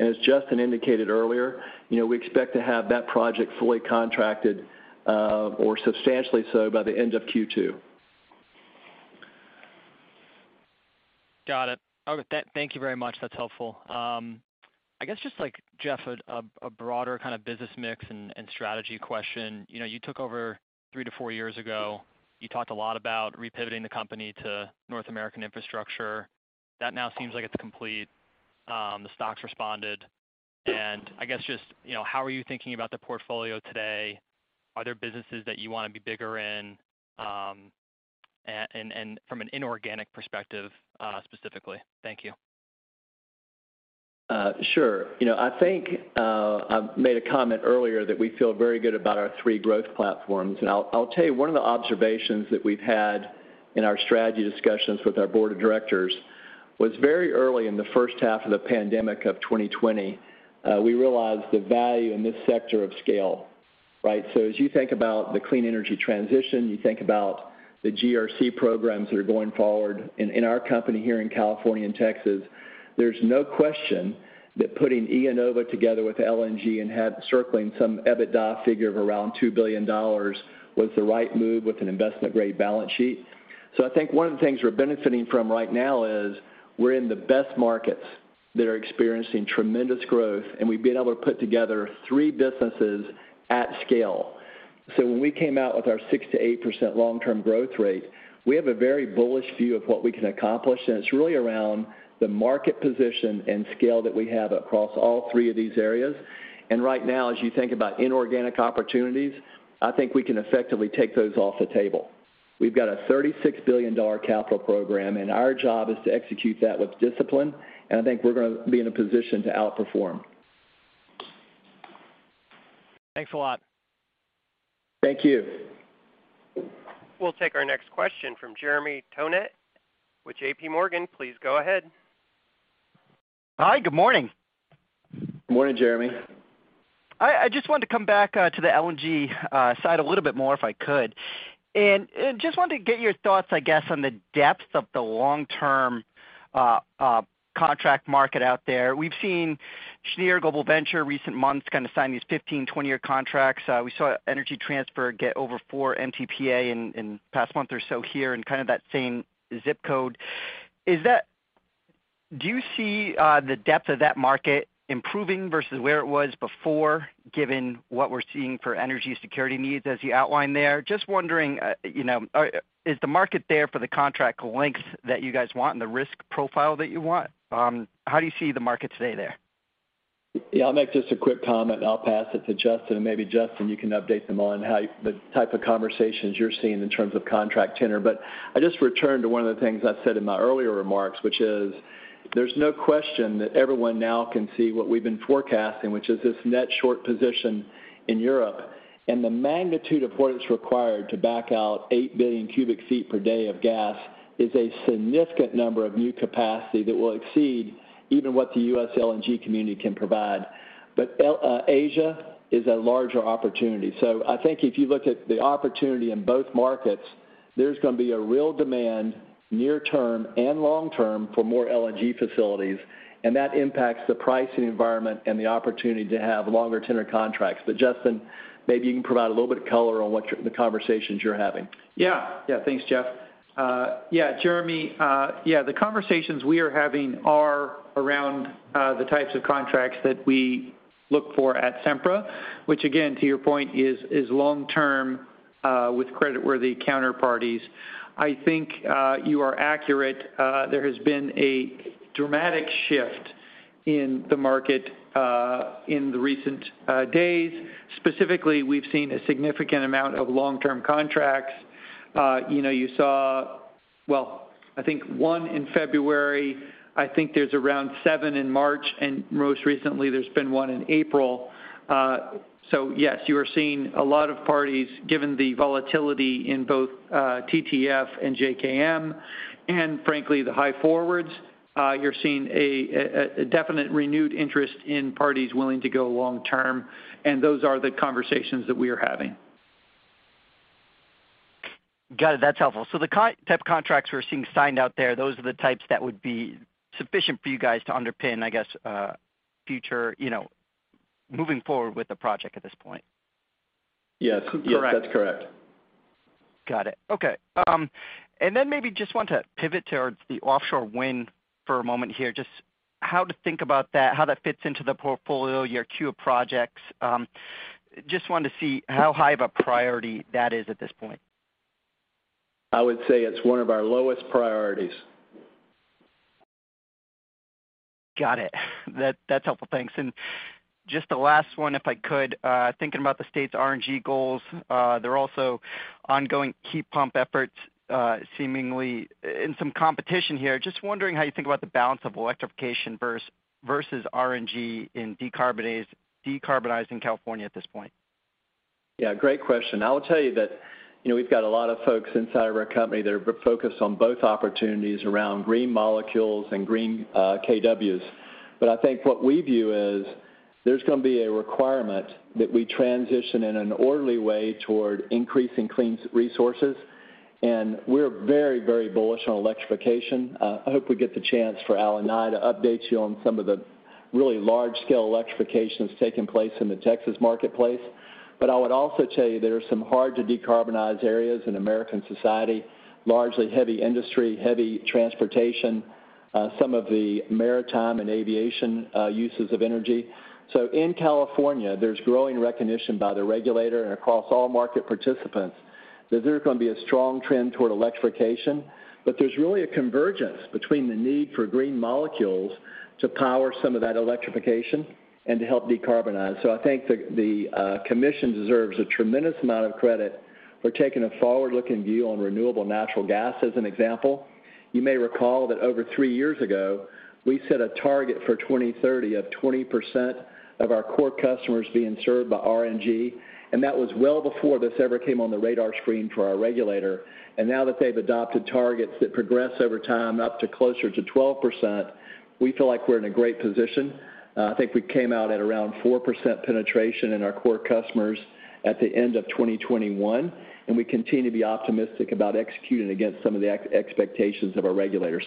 As Justin indicated earlier, you know, we expect to have that project fully contracted or substantially so by the end of Q2. Got it. Okay. Thank you very much. That's helpful. I guess just like, Jeff, a broader kind of business mix and strategy question. You know, you took over three to four years ago. You talked a lot about repivoting the company to North American infrastructure. That now seems like it's complete. The stock's responded. I guess just, you know, how are you thinking about the portfolio today? Are there businesses that you wanna be bigger in, and from an inorganic perspective, specifically? Thank you. Sure. You know, I think I made a comment earlier that we feel very good about our three growth platforms. I'll tell you, one of the observations that we've had in our strategy discussions with our Board of Directors was very early in the first half of the pandemic of 2020, we realized the value in this sector of scale, right? As you think about the clean energy transition, you think about the GRC programs that are going forward in our company here in California and Texas, there's no question that putting IEnova together with LNG and circling some EBITDA figure of around $2 billion was the right move with an investment-grade balance sheet. I think one of the things we're benefiting from right now is we're in the best markets that are experiencing tremendous growth, and we've been able to put together three businesses at scale. When we came out with our 6%-8% long-term growth rate, we have a very bullish view of what we can accomplish, and it's really around the market position and scale that we have across all three of these areas. Right now, as you think about inorganic opportunities, I think we can effectively take those off the table. We've got a $36 billion capital program, and our job is to execute that with discipline, and I think we're gonna be in a position to outperform. Thanks a lot. Thank you. We'll take our next question from Jeremy Tonet with JPMorgan. Please go ahead. Hi, good morning. Morning, Jeremy. I just wanted to come back to the LNG side a little bit more, if I could. Just wanted to get your thoughts, I guess, on the depth of the long-term contract market out there. We've seen Cheniere in recent months kind of sign these 15-, 20-year contracts. We saw Energy Transfer get over four Mtpa in the past month or so here in kind of that same zip code. Do you see the depth of that market improving versus where it was before, given what we're seeing for energy security needs as you outlined there? Just wondering, you know, is the market there for the contract lengths that you guys want and the risk profile that you want? How do you see the market today there? Yeah, I'll make just a quick comment, and I'll pass it to Justin, and maybe Justin, you can update them on how the type of conversations you're seeing in terms of contract tenure. I just return to one of the things I said in my earlier remarks, which is there's no question that everyone now can see what we've been forecasting, which is this net short position in Europe. The magnitude of what is required to back out 8 billion cubic feet per day of gas is a significant number of new capacity that will exceed even what the U.S. LNG community can provide. Asia is a larger opportunity. I think if you look at the opportunity in both markets, there's gonna be a real demand near term and long term for more LNG facilities, and that impacts the pricing environment and the opportunity to have longer tender contracts. Justin, maybe you can provide a little bit of color on the conversations you're having. Yeah. Thanks, Jeff. Yeah, Jeremy, yeah, the conversations we are having are around the types of contracts that we look for at Sempra, which again, to your point, is long term with creditworthy counterparties. I think you are accurate. There has been a dramatic shift. In the market in recent days. Specifically, we've seen a significant amount of long-term contracts. You know, I think 1 in February, I think there's around 7 in March, and most recently there's been 1 in April. Yes, you are seeing a lot of parties, given the volatility in both TTF and JKM and frankly the high forwards, you're seeing a definite renewed interest in parties willing to go long term, and those are the conversations that we are having. Got it. That's helpful. The type of contracts we're seeing signed out there, those are the types that would be sufficient for you guys to underpin, I guess, future, you know, moving forward with the project at this point? Yes. Yes, that's correct. Got it. Okay. Maybe just want to pivot towards the offshore wind for a moment here. Just how to think about that, how that fits into the portfolio, your queue of projects. Just wanted to see how high of a priority that is at this point? I would say it's one of our lowest priorities. Got it. That's helpful. Thanks. Just the last one, if I could, thinking about the state's RNG goals, there are also ongoing key pump efforts, seemingly in some competition here. Just wondering how you think about the balance of electrification versus RNG in decarbonizing California at this point? Yeah, great question. I will tell you that, you know, we've got a lot of folks inside of our company that are focused on both opportunities around green molecules and green, kWs. I think what we view is there's gonna be a requirement that we transition in an orderly way toward increasing clean resources. We're very, very bullish on electrification. I hope we get the chance for Al and I to update you on some of the really large-scale electrifications taking place in the Texas marketplace. I would also tell you there are some hard-to-decarbonize areas in American society, largely heavy industry, heavy transportation, some of the maritime and aviation, uses of energy. In California, there's growing recognition by the regulator and across all market participants that there's gonna be a strong trend toward electrification. There's really a convergence between the need for green molecules to power some of that electrification and to help decarbonize. I think the commission deserves a tremendous amount of credit for taking a forward-looking view on renewable natural gas, as an example. You may recall that over three years ago, we set a target for 2030 of 20% of our core customers being served by RNG, and that was well before this ever came on the radar screen for our regulator. Now that they've adopted targets that progress over time, up to closer to 12%, we feel like we're in a great position. I think we came out at around 4% penetration in our core customers at the end of 2021, and we continue to be optimistic about executing against some of the expectations of our regulators.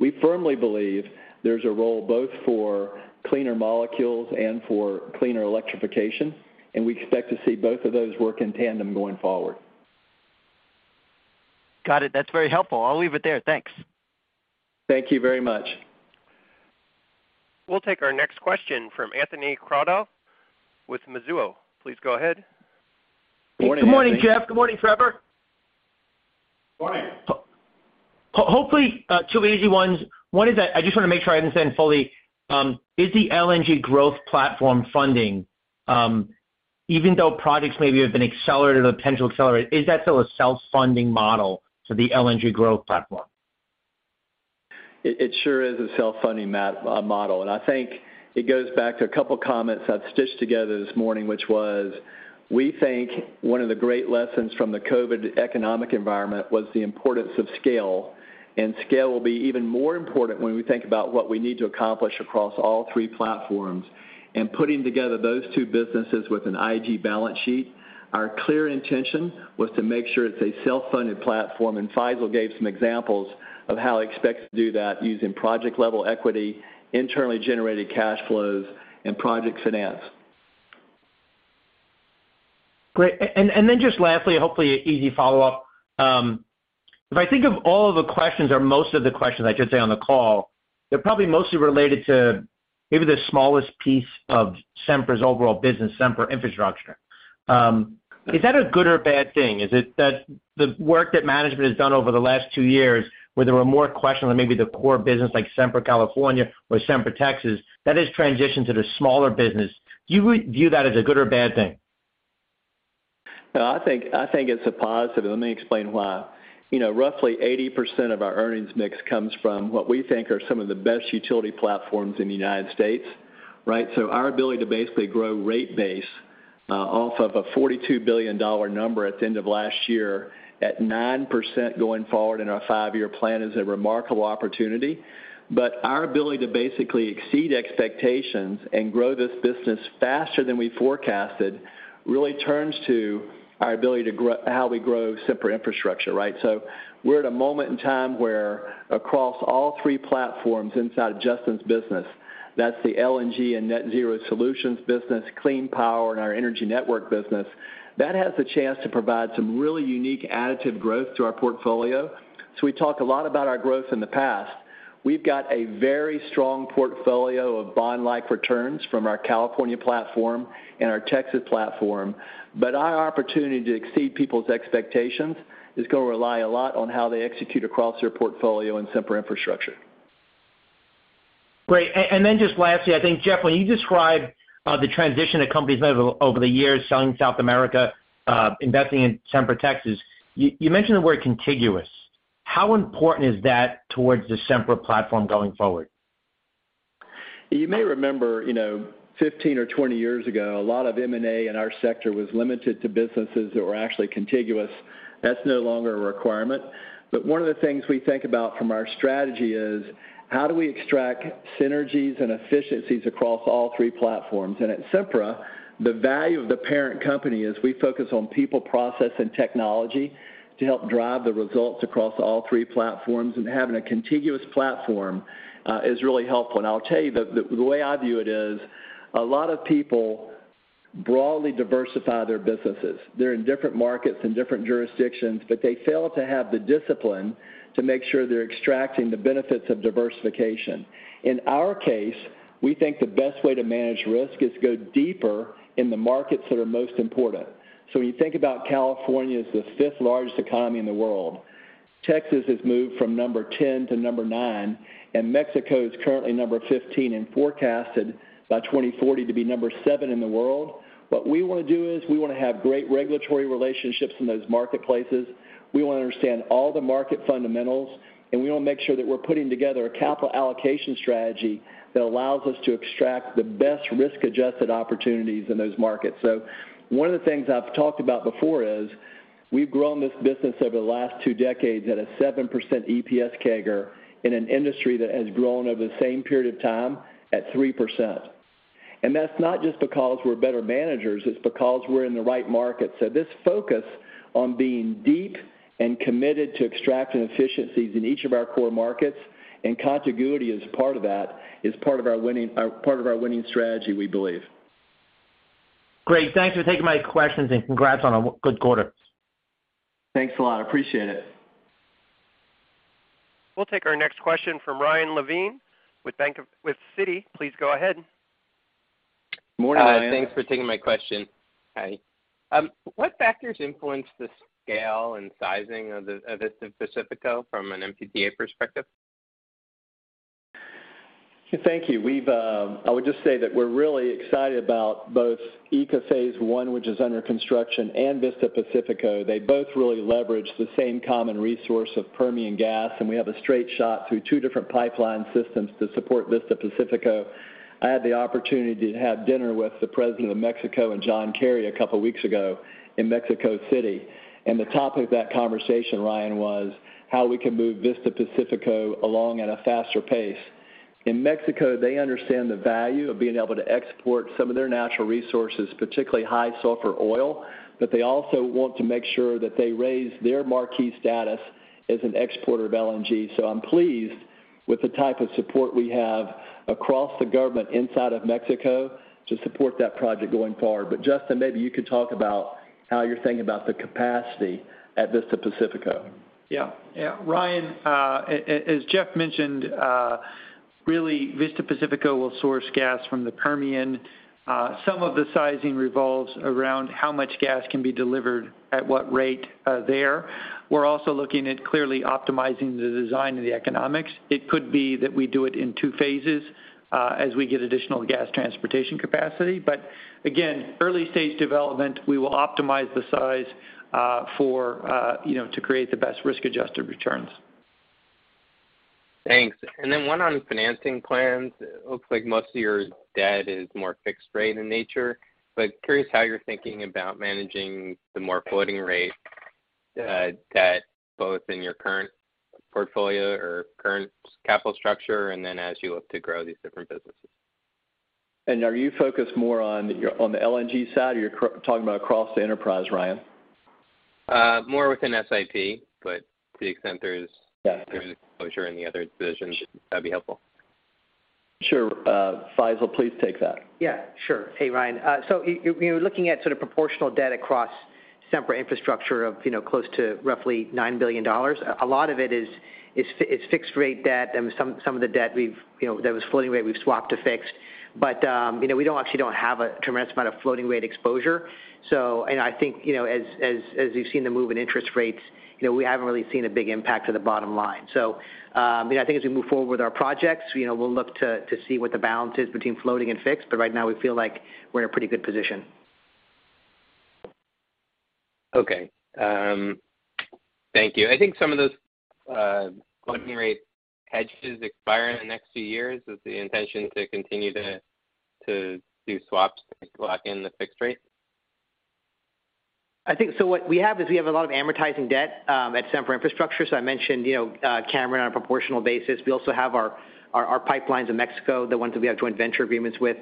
We firmly believe there's a role both for cleaner molecules and for cleaner electrification, and we expect to see both of those work in tandem going forward. Got it. That's very helpful. I'll leave it there. Thanks. Thank you very much. We'll take our next question from Anthony Crowdell with Mizuho. Please go ahead. Morning, Anthony. Good morning, Jeff. Good morning, Trevor. Morning. Hopefully, two easy ones. One is that I just wanna make sure I understand fully, is the LNG growth platform funding, even though projects maybe have been accelerated or potentially accelerate, is that still a self-funding model for the LNG growth platform? It sure is a self-funding model, and I think it goes back to a couple of comments I've stitched together this morning, which was, we think one of the great lessons from the COVID economic environment was the importance of scale, and scale will be even more important when we think about what we need to accomplish across all three platforms. Putting together those two businesses with an IG balance sheet, our clear intention was to make sure it's a self-funded platform, and Faisel gave some examples of how he expects to do that using project-level equity, internally generated cash flows, and project finance. Great. Just lastly, hopefully an easy follow-up. If I think of all of the questions or most of the questions I should say on the call, they're probably mostly related to maybe the smallest piece of Sempra's overall business, Sempra Infrastructure. Is that a good or bad thing? Is it that the work that management has done over the last two years, where there were more questions on maybe the core business like Sempra California or Sempra Texas, that has transitioned to the smaller business. Do you view that as a good or bad thing? No, I think it's a positive. Let me explain why. You know, roughly 80% of our earnings mix comes from what we think are some of the best utility platforms in the United States, right? Our ability to basically grow rate base off of a $42 billion number at the end of last year at 9% going forward in our five-year plan is a remarkable opportunity. Our ability to basically exceed expectations and grow this business faster than we forecasted really turns to our ability to how we grow Sempra Infrastructure, right? We're at a moment in time where across all three platforms inside of Justin's business, that's the LNG and Net Zero Solutions business, clean power, and our energy network business, that has the chance to provide some really unique additive growth to our portfolio. We talk a lot about our growth in the past. We've got a very strong portfolio of bond-like returns from our California platform and our Texas platform. Our opportunity to exceed people's expectations is gonna rely a lot on how they execute across their portfolio in Sempra Infrastructure. Great. Just lastly, I think, Jeff, when you describe the transition that companies made over the years selling in South America, investing in Sempra Texas, you mentioned the word contiguous. How important is that toward the Sempra platform going forward? You may remember, you know, 15 or 20 years ago, a lot of M&A in our sector was limited to businesses that were actually contiguous. That's no longer a requirement. One of the things we think about from our strategy is how do we extract synergies and efficiencies across all three platforms? At Sempra, the value of the parent company is we focus on people, process, and technology to help drive the results across all three platforms. Having a contiguous platform is really helpful. I'll tell you the way I view it is, a lot of people broadly diversify their businesses. They're in different markets and different jurisdictions, but they fail to have the discipline to make sure they're extracting the benefits of diversification. In our case, we think the best way to manage risk is to go deeper in the markets that are most important. When you think about California as the fifth largest economy in the world, Texas has moved from number 10 to number nine, and Mexico is currently number 15 and forecasted by 2040 to be number seven in the world. What we wanna do is we wanna have great regulatory relationships in those marketplaces. We wanna understand all the market fundamentals, and we wanna make sure that we're putting together a capital allocation strategy that allows us to extract the best risk-adjusted opportunities in those markets. One of the things I've talked about before is we've grown this business over the last two decades at a 7% EPS CAGR in an industry that has grown over the same period of time at 3%. That's not just because we're better managers, it's because we're in the right market. This focus on being deep and committed to extracting efficiencies in each of our core markets, and contiguity is part of that, is part of our winning strategy, we believe. Great. Thanks for taking my questions, and congrats on a good quarter. Thanks a lot. Appreciate it. We'll take our next question from Ryan Levine with Citi. Please go ahead. Morning, Ryan. Thanks for taking my question. Hi. What factors influence the scale and sizing of Vista Pacífico from a Mtpa perspective? Thank you. I would just say that we're really excited about both ECA Phase 1, which is under construction, and Vista Pacífico. They both really leverage the same common resource of Permian gas, and we have a straight shot through two different pipeline systems to support Vista Pacífico. I had the opportunity to have dinner with the President of Mexico and John Kerry a couple weeks ago in Mexico City, and the topic of that conversation, Ryan, was how we can move Vista Pacífico along at a faster pace. In Mexico, they understand the value of being able to export some of their natural resources, particularly high sulfur oil, but they also want to make sure that they raise their marquee status as an exporter of LNG. I'm pleased with the type of support we have across the government inside of Mexico to support that project going forward. Justin, maybe you could talk about how you're thinking about the capacity at Vista Pacífico. Yeah. Yeah. Ryan, as Jeff mentioned, really, Vista Pacífico will source gas from the Permian. Some of the sizing revolves around how much gas can be delivered at what rate there. We're also looking at clearly optimizing the design of the economics. It could be that we do it in two phases as we get additional gas transportation capacity. Again, early-stage development, we will optimize the size for you know to create the best risk-adjusted returns. Thanks. One on financing plans. It looks like most of your debt is more fixed rate in nature, but curious how you're thinking about managing the more floating rate debt, both in your current portfolio or current capital structure and then as you look to grow these different businesses. Are you focused more on the LNG side or you're talking about across the enterprise, Ryan? More within SIP, but to the extent there's. Yeah. There's exposure in the other divisions, that'd be helpful. Sure. Faisel, please take that. Yeah, sure. Hey, Ryan. You're looking at sort of proportional debt across Sempra Infrastructure of, you know, close to roughly $9 billion. A lot of it is fixed-rate debt, and some of the debt we've, you know, that was floating rate, we've swapped to fixed. We actually don't have a tremendous amount of floating rate exposure. I think, you know, as you've seen the move in interest rates, you know, we haven't really seen a big impact to the bottom line. So I think as we move forward with our projects, you know, we'll look to see what the balance is between floating and fixed, but right now we feel like we're in a pretty good position. Okay. Thank you. I think some of those floating rate hedges expire in the next few years. Is the intention to continue to do swaps to lock in the fixed rate? What we have is we have a lot of amortizing debt at Sempra Infrastructure. I mentioned, you know, Cameron on a proportional basis. We also have our pipelines in Mexico, the ones that we have joint venture agreements with,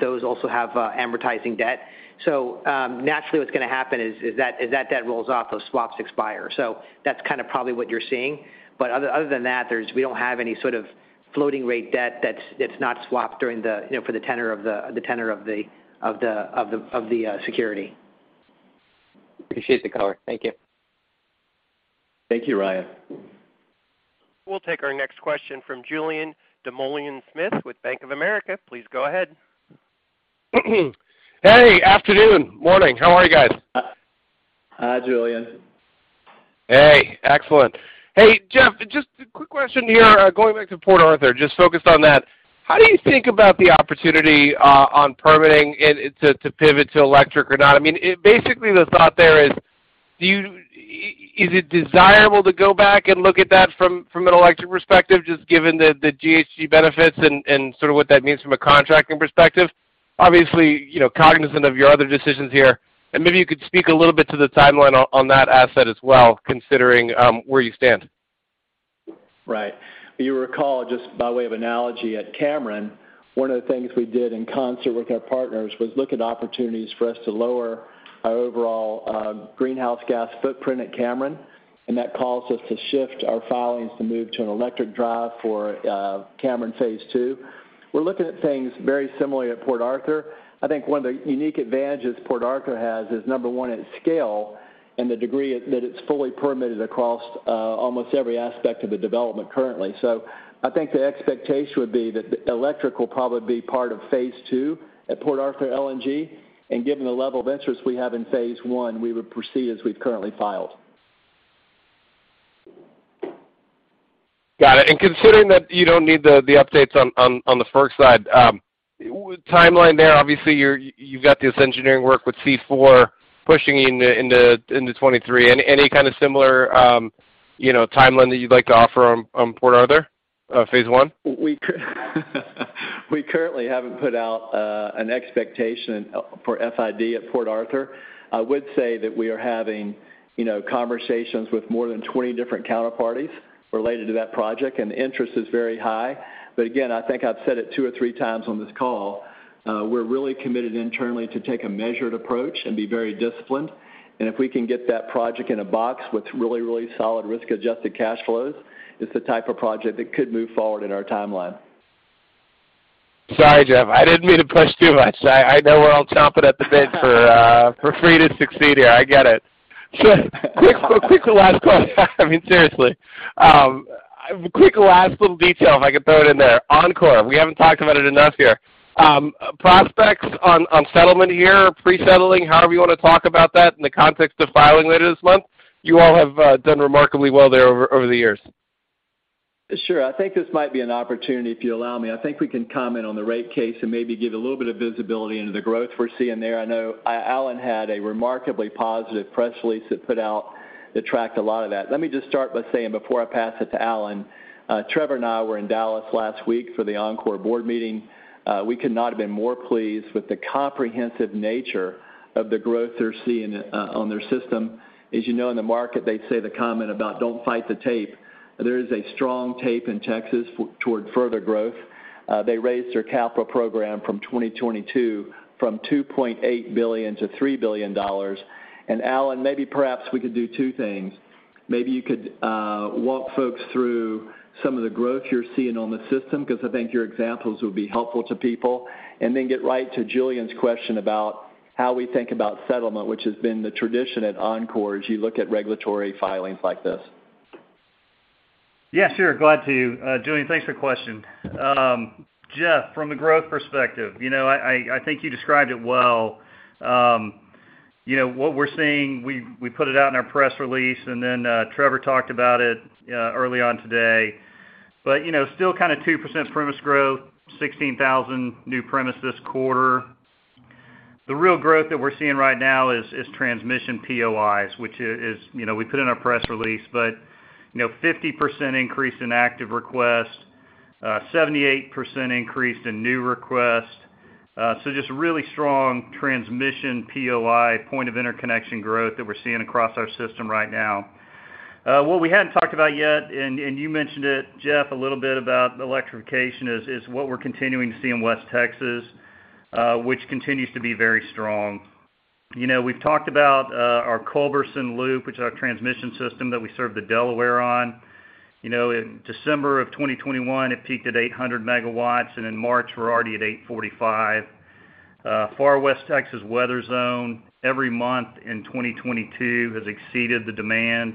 those also have amortizing debt. Naturally, what's gonna happen is that, as that debt rolls off, those swaps expire. So that's kind of probably what you're seeing. Other than that, we don't have any sort of floating rate debt that's not swapped during, you know, for the tenor of the security. Appreciate the color. Thank you. Thank you, Ryan. We'll take our next question from Julien Dumoulin-Smith with Bank of America. Please go ahead. Hey, afternoon, morning. How are you guys? Hi, Julien. Hey, excellent. Hey, Jeff, just a quick question here, going back to Port Arthur, just focused on that. How do you think about the opportunity on permitting and to pivot to electric or not? I mean, basically, the thought there is is it desirable to go back and look at that from an electric perspective, just given the GHG benefits and sort of what that means from a contracting perspective? Obviously, you know, cognizant of your other decisions here, and maybe you could speak a little bit to the timeline on that asset as well, considering where you stand. You recall, just by way of analogy at Cameron, one of the things we did in concert with our partners was look at opportunities for us to lower our overall greenhouse gas footprint at Cameron, and that caused us to shift our filings to move to an electric drive for Cameron Phase 2. We're looking at things very similarly at Port Arthur. I think one of the unique advantages Port Arthur has is number one, its scale and the degree that it's fully permitted across almost every aspect of the development currently. I think the expectation would be that the electric will probably be part of Phase 2 at Port Arthur LNG. Given the level of interest we have in Phase 1, we would proceed as we've currently filed. Got it. Considering that you don't need the updates on the FERC side, timeline there, obviously, you've got this engineering work with C4 pushing into 2023. Any kind of similar, you know, timeline that you'd like to offer on Port Arthur phase one? We currently haven't put out an expectation for FID at Port Arthur. I would say that we are having, you know, conversations with more than 20 different counterparties related to that project, and interest is very high. But again, I think I've said it two or three times on this call, we're really committed internally to take a measured approach and be very disciplined. If we can get that project in a box with really, really solid risk-adjusted cash flows, it's the type of project that could move forward in our timeline. Sorry, Jeff. I didn't mean to push too much. I know we're all chomping at the bit for SRE to succeed here. I get it. Quick last question. I mean, seriously. Quick last little detail, if I could throw it in there. Oncor, we haven't talked about it enough here. Prospects on settlement here, pre-settling, however you wanna talk about that in the context of filing later this month, you all have done remarkably well there over the years. Sure. I think this might be an opportunity, if you allow me. I think we can comment on the rate case and maybe give a little bit of visibility into the growth we're seeing there. I know, Allen had a remarkably positive press release that tracked a lot of that. Let me just start by saying, before I pass it to Allen, Trevor and I were in Dallas last week for the Oncor Board meeting. We could not have been more pleased with the comprehensive nature of the growth they're seeing, on their system. As you know, in the market, they say the comment about, "Don't fight the tape." There is a strong tape in Texas toward further growth. They raised their capital program from 2022 from $2.8 billion-$3 billion. Allen, maybe perhaps we could do two things. Maybe you could walk folks through some of the growth you're seeing on the system, 'cause I think your examples would be helpful to people. Then get right to Julien's question about how we think about settlement, which has been the tradition at Oncor as you look at regulatory filings like this. Yeah, sure. Glad to. Julien, thanks for the question. Jeff, from the growth perspective, you know, I think you described it well. You know, what we're seeing, we put it out in our press release, and then, Trevor talked about it, early on today. You know, still kind of 2% premises growth, 16,000 new premises quarter. The real growth that we're seeing right now is transmission POIs, which is, you know, we put in our press release. You know, 50% increase in active requests, 78% increase in new requests. So just really strong transmission POI, point of interconnection growth that we're seeing across our system right now. What we hadn't talked about yet, and you mentioned it, Jeff, a little bit about electrification is what we're continuing to see in West Texas, which continues to be very strong. You know, we've talked about our Culberson Loop, which is our transmission system that we serve the Delaware on. You know, in December of 2021, it peaked at 800 mw, and in March, we're already at 845. Far West Texas weather zone every month in 2022 has exceeded the demand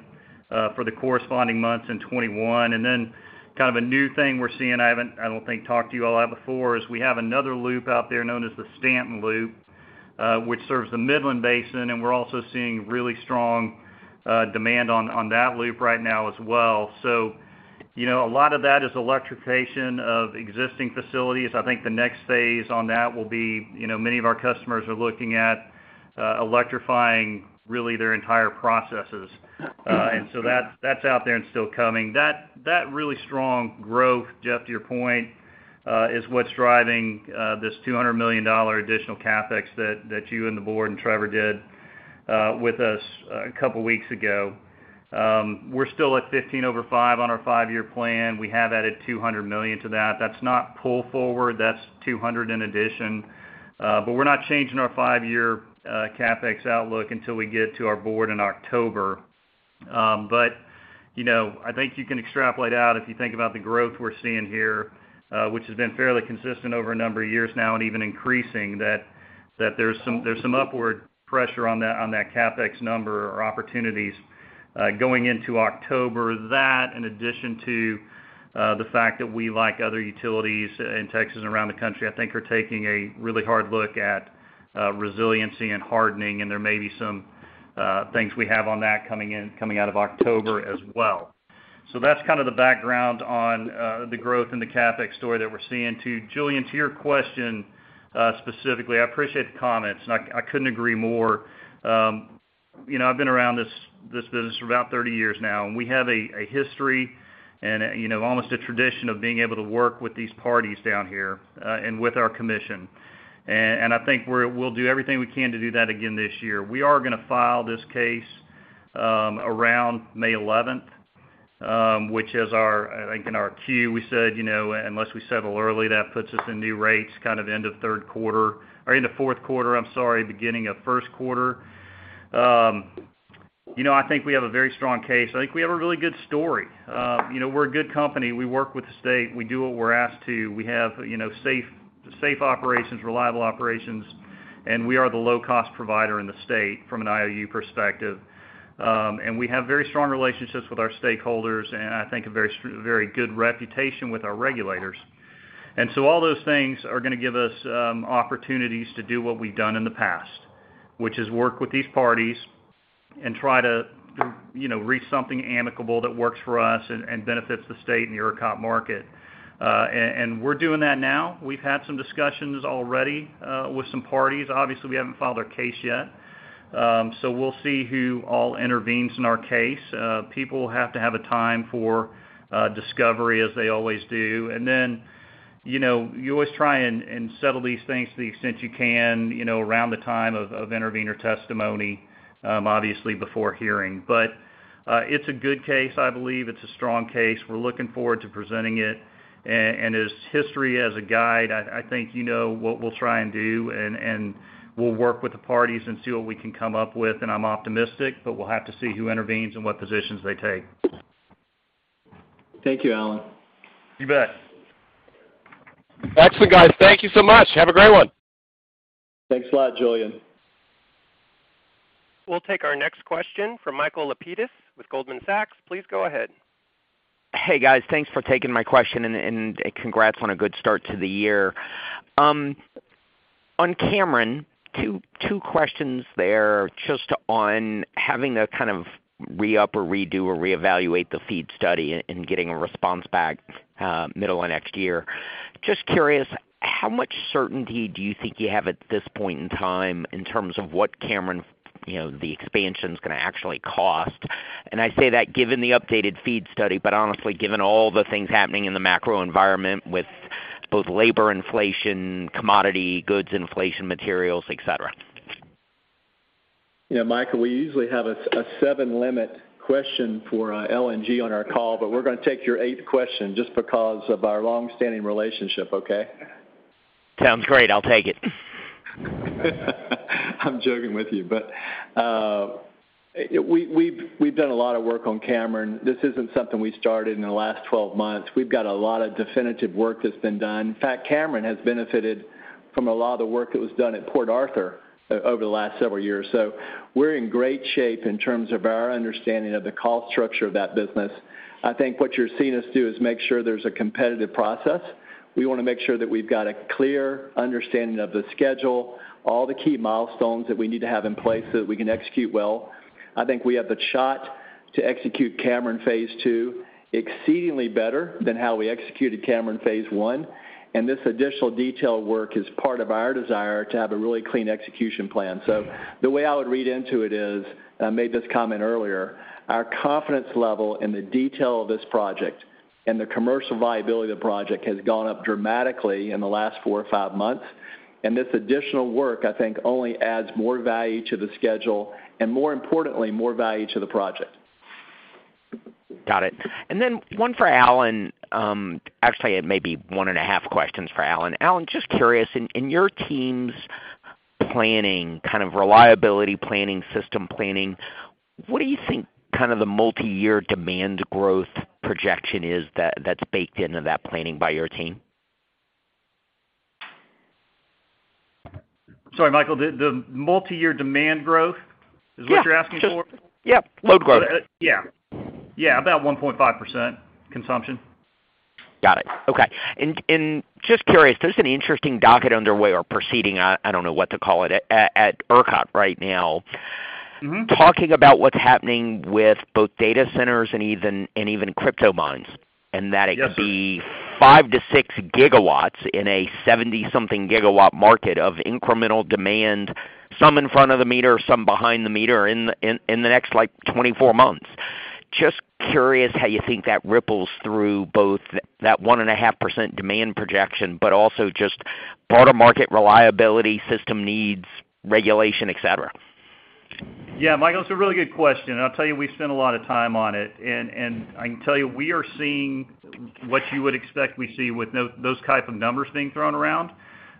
for the corresponding months in 2021. Kind of a new thing we're seeing, I haven't, I don't think, talked to you all about before, is we have another loop out there known as the Stanton Loop, which serves the Midland Basin, and we're also seeing really strong demand on that loop right now as well. You know, a lot of that is electrification of existing facilities. I think the next phase on that will be, you know, many of our customers are looking at electrifying really their entire processes. That's out there and still coming. That really strong growth, Jeff, to your point, is what's driving this $200 million additional CapEx that you and the board and Trevor did with us a couple weeks ago. We're still at 15 over five on our five-year plan. We have added $200 million to that. That's not pull forward, that's $200 million in addition. We're not changing our five-year CapEx outlook until we get to our board in October. You know, I think you can extrapolate out if you think about the growth we're seeing here, which has been fairly consistent over a number of years now and even increasing. That there's some upward pressure on that CapEx number or opportunities going into October. That in addition to the fact that we like other utilities in Texas and around the country, I think are taking a really hard look at resiliency and hardening, and there may be some things we have on that coming out of October as well. That's kind of the background on the growth in the CapEx story that we're seeing. Julien, to your question, specifically, I appreciate the comments, and I couldn't agree more. You know, I've been around this business for about 30 years now, and we have a history and, you know, almost a tradition of being able to work with these parties down here and with our commission. I think we'll do everything we can to do that again this year. We are gonna file this case around May 11, which is our—I think in our Q, we said, you know, unless we settle early, that puts us in new rates kind of end of third quarter or end of fourth quarter, I'm sorry, beginning of first quarter. You know, I think we have a very strong case. I think we have a really good story. You know, we're a good company. We work with the state. We do what we're asked to. We have, you know, safe operations, reliable operations, and we are the low-cost provider in the state from an IOU perspective. We have very strong relationships with our stakeholders and I think a very good reputation with our regulators. All those things are gonna give us opportunities to do what we've done in the past, which is work with these parties and try to, you know, reach something amicable that works for us and benefits the state and ERCOT market. We're doing that now. We've had some discussions already with some parties. Obviously, we haven't filed our case yet, so we'll see who all intervenes in our case. People have to have a time for discovery as they always do. You know, you always try and settle these things to the extent you can, you know, around the time of intervener testimony, obviously before hearing. It's a good case, I believe. It's a strong case. We're looking forward to presenting it. As history as a guide, I think you know what we'll try and do, and we'll work with the parties and see what we can come up with. I'm optimistic, but we'll have to see who intervenes and what positions they take. Thank you, Allen. You bet. Excellent, guys. Thank you so much. Have a great one. Thanks a lot, Julien. We'll take our next question from Michael Lapides with Goldman Sachs. Please go ahead. Hey, guys. Thanks for taking my question, and congrats on a good start to the year. On Cameron, two questions there just on having to kind of re-up or redo or reevaluate the FEED study and getting a response back, middle of next year. Just curious, how much certainty do you think you have at this point in time in terms of what Cameron, you know, the expansion's gonna actually cost? I say that given the updated FEED study, but honestly, given all the things happening in the macro environment with both labor inflation, commodity goods inflation, materials, etc. You know, Michael, we usually have a seven-limit question for LNG on our call, but we're gonna take your eighth question just because of our long-standing relationship, okay? Sounds great. I'll take it. I'm joking with you. We've done a lot of work on Cameron. This isn't something we started in the last 12 months. We've got a lot of definitive work that's been done. In fact, Cameron has benefited from a lot of the work that was done at Port Arthur over the last several years. We're in great shape in terms of our understanding of the cost structure of that business. I think what you're seeing us do is make sure there's a competitive process. We wanna make sure that we've got a clear understanding of the schedule, all the key milestones that we need to have in place so that we can execute well. I think we have the shot to execute Cameron Phase 2 exceedingly better than how we executed Cameron Phase 1, and this additional detail work is part of our desire to have a really clean execution plan. The way I would read into it is, I made this comment earlier, our confidence level in the detail of this project and the commercial viability of the project has gone up dramatically in the last four or five months. This additional work, I think, only adds more value to the schedule, and more importantly, more value to the project. Got it. Then one for Allen. Actually, it may be one and a half questions for Allen. Allen just curious, in your team's planning, kind of reliability planning, system planning, what do you think kind of the multiyear demand growth projection is that's baked into that planning by your team? Sorry, Michael. The multiyear demand growth is what you're asking for? Yeah. Load growth. Yeah, about 1.5% consumption. Got it. Okay. Just curious, there's an interesting docket underway or proceeding. I don't know what to call it, at ERCOT right now. Mm-hmm. Talking about what's happening with both data centers and even crypto mines. Yes, sir. That it could be 5-6 gw in a 70-something gw market of incremental demand, some in front of the meter, some behind the meter in the next, like, 24 months. Just curious how you think that ripples through both that 1.5% demand projection, but also just broader market reliability, system needs, regulation, et cetera. Yeah, Michael, it's a really good question, and I'll tell you, we've spent a lot of time on it. I can tell you, we are seeing what you would expect we see with those type of numbers being thrown around.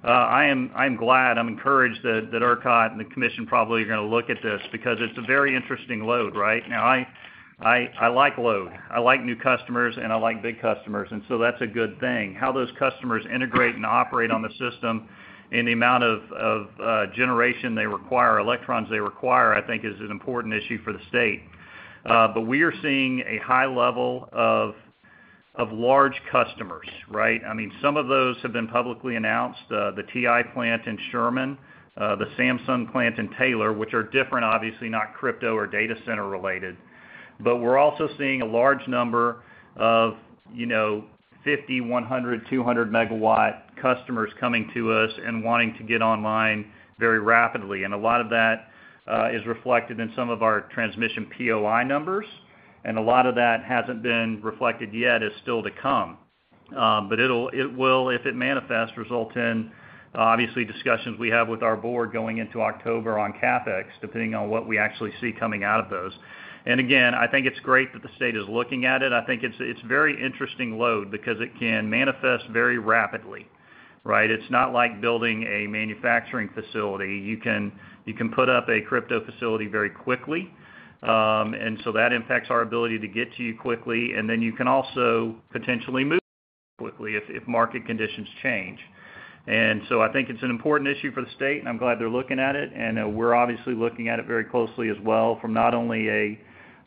I'm glad, I'm encouraged that ERCOT and the commission probably are gonna look at this because it's a very interesting load, right? Now, I like load. I like new customers, and I like big customers, and so that's a good thing. How those customers integrate and operate on the system and the amount of generation they require, electrons they require, I think is an important issue for the state. But we are seeing a high level of large customers, right? I mean, some of those have been publicly announced, the TI plant in Sherman, the Samsung plant in Taylor, which are different, obviously, not crypto or data center related. We're also seeing a large number of, you know, 50, 100, 200-mw customers coming to us and wanting to get online very rapidly. A lot of that is reflected in some of our transmission POI numbers, and a lot of that hasn't been reflected yet. It's still to come. It will, if it manifests, result in, obviously, discussions we have with our board going into October on CapEx, depending on what we actually see coming out of those. Again, I think it's great that the state is looking at it. I think it's very interesting load because it can manifest very rapidly, right? It's not like building a manufacturing facility. You can put up a crypto facility very quickly. That impacts our ability to get to you quickly, and then you can also potentially move quickly if market conditions change. I think it's an important issue for the state, and I'm glad they're looking at it. We're obviously looking at it very closely as well from not only a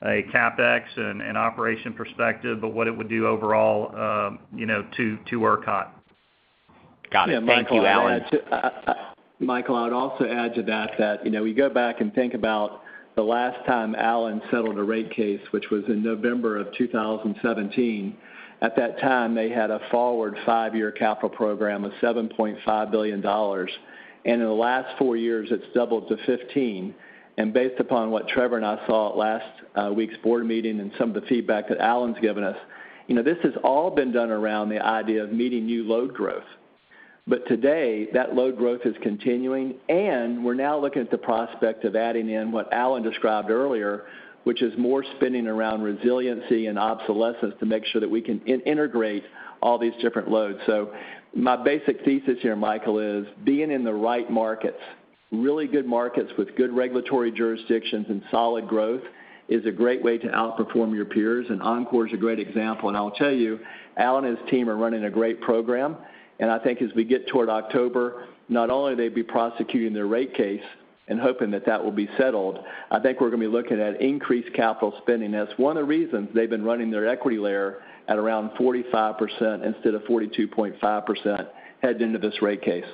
CapEx and an operation perspective, but what it would do overall, you know, to ERCOT. Got it. Thank you, Allen. Michael, I would also add to that, you know, we go back and think about the last time Allen settled a rate case, which was in November 2017. At that time, they had a forward five-year capital program of $7.5 billion. In the last four years, it's doubled to 15. Based upon what Trevor and I saw at last week's board meeting and some of the feedback that Allen's given us, you know, this has all been done around the idea of meeting new load growth. Today, that load growth is continuing, and we're now looking at the prospect of adding in what Allen described earlier, which is more spending around resiliency and obsolescence to make sure that we can integrate all these different loads. My basic thesis here, Michael, is being in the right markets, really good markets with good regulatory jurisdictions and solid growth is a great way to outperform your peers, and Oncor is a great example. I'll tell you, Allen and his team are running a great program. I think as we get toward October, not only are they'll be prosecuting their rate case and hoping that that will be settled, I think we're gonna be looking at increased capital spending. That's one of the reasons they've been running their equity layer at around 45% instead of 42.5% heading into this rate case.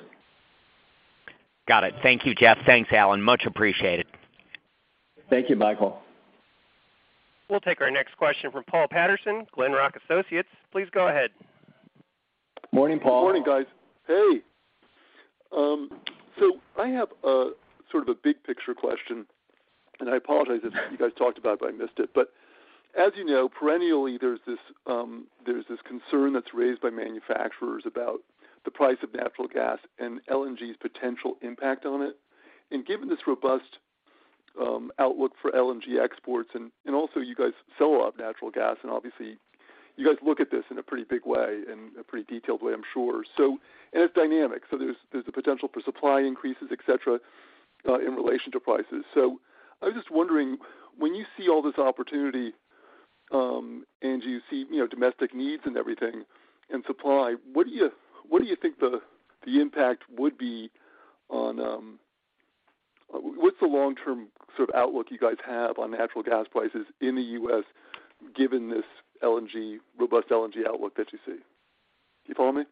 Got it. Thank you, Jeff. Thanks, Allen. Much appreciated. Thank you, Michael. We'll take our next question from Paul Patterson, Glenrock Associates. Please go ahead. Morning, Paul. Good morning, guys. Hey, I have a sort of a big picture question, and I apologize if you guys talked about it, but I missed it. As you know, perennially, there's this concern that's raised by manufacturers about the price of natural gas and LNG's potential impact on it. Given this robust outlook for LNG exports and also you guys sell off natural gas and obviously you guys look at this in a pretty big way and a pretty detailed way, I'm sure, and it's dynamic. There's the potential for supply increases, etc., in relation to prices. I was just wondering, when you see all this opportunity, and you see, you know, domestic needs and everything and supply, what do you think the impact would be on. What's the long-term sort of outlook you guys have on natural gas prices in the US, given this LNG, robust LNG outlook that you see? Do you follow me?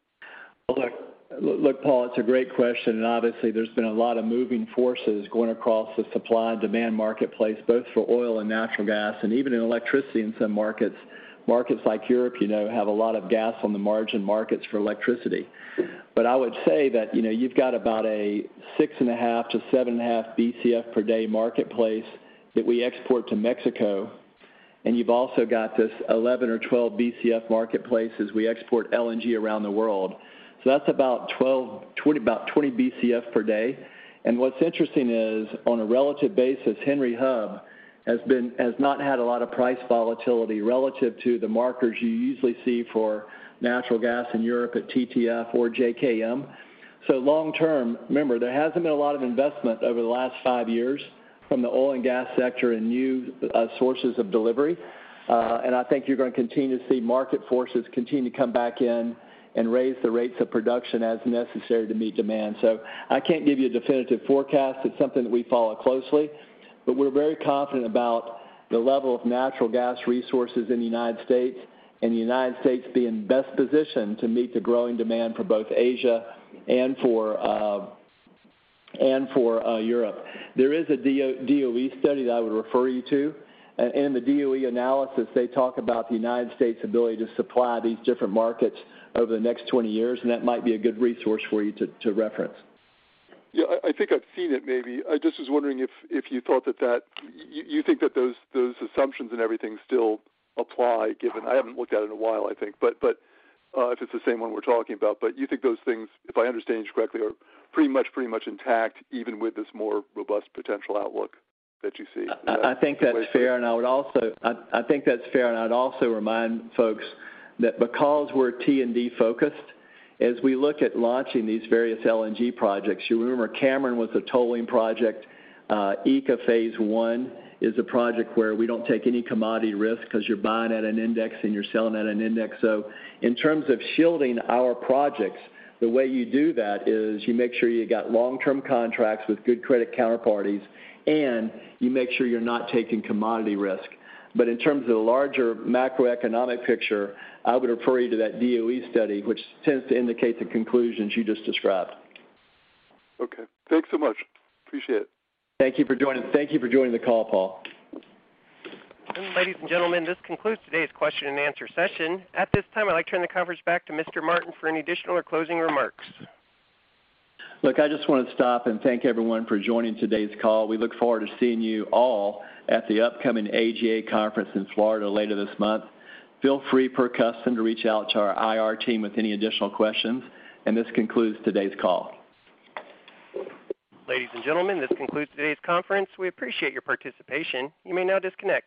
Look, Paul, it's a great question, and obviously there's been a lot of moving forces going across the supply and demand marketplace, both for oil and natural gas and even in electricity in some markets. Markets like Europe, you know, have a lot of gas on the margin, markets for electricity. But I would say that, you know, you've got about a 6.5-7.5 Bcf per day marketplace that we export to Mexico, and you've also got this 11 or 12 Bcf marketplace as we export LNG around the world. So that's about 20 Bcf per day. What's interesting is, on a relative basis, Henry Hub has been-- has not had a lot of price volatility relative to the markers you usually see for natural gas in Europe at TTF or JKM. Long term, remember, there hasn't been a lot of investment over the last five years from the oil and gas sector and new sources of delivery. I think you're gonna continue to see market forces continue to come back in and raise the rates of production as necessary to meet demand. I can't give you a definitive forecast. It's something that we follow closely, but we're very confident about the level of natural gas resources in the United States and the United States being best positioned to meet the growing demand for both Asia and for Europe. There is a DOE study that I would refer you to. The DOE analysis, they talk about the United States' ability to supply these different markets over the next 20 years, and that might be a good resource for you to reference. Yeah, I think I've seen it maybe. I just was wondering if you thought that you think that those assumptions and everything still apply given I haven't looked at it in a while, I think. If it's the same one we're talking about, but you think those things, if I understand you correctly, are pretty much intact, even with this more robust potential outlook that you see? I think that's fair, and I'd also remind folks that because we're T&D focused, as we look at launching these various LNG projects, you remember Cameron was a tolling project. ECA Phase 1 is a project where we don't take any commodity risk because you're buying at an index and you're selling at an index. In terms of shielding our projects, the way you do that is you make sure you got long-term contracts with good credit counterparties, and you make sure you're not taking commodity risk. In terms of the larger macroeconomic picture, I would refer you to that DOE study, which tends to indicate the conclusions you just described. Okay. Thanks so much. Appreciate it. Thank you for joining the call, Paul. Ladies and gentlemen, this concludes today's question and answer session. At this time, I'd like to turn the conference back to Mr. Martin for any additional or closing remarks. Look, I just want to stop and thank everyone for joining today's call. We look forward to seeing you all at the upcoming AGA conference in Florida later this month. Feel free per custom to reach out to our IR team with any additional questions, and this concludes today's call. Ladies and gentlemen, this concludes today's conference. We appreciate your participation. You may now disconnect.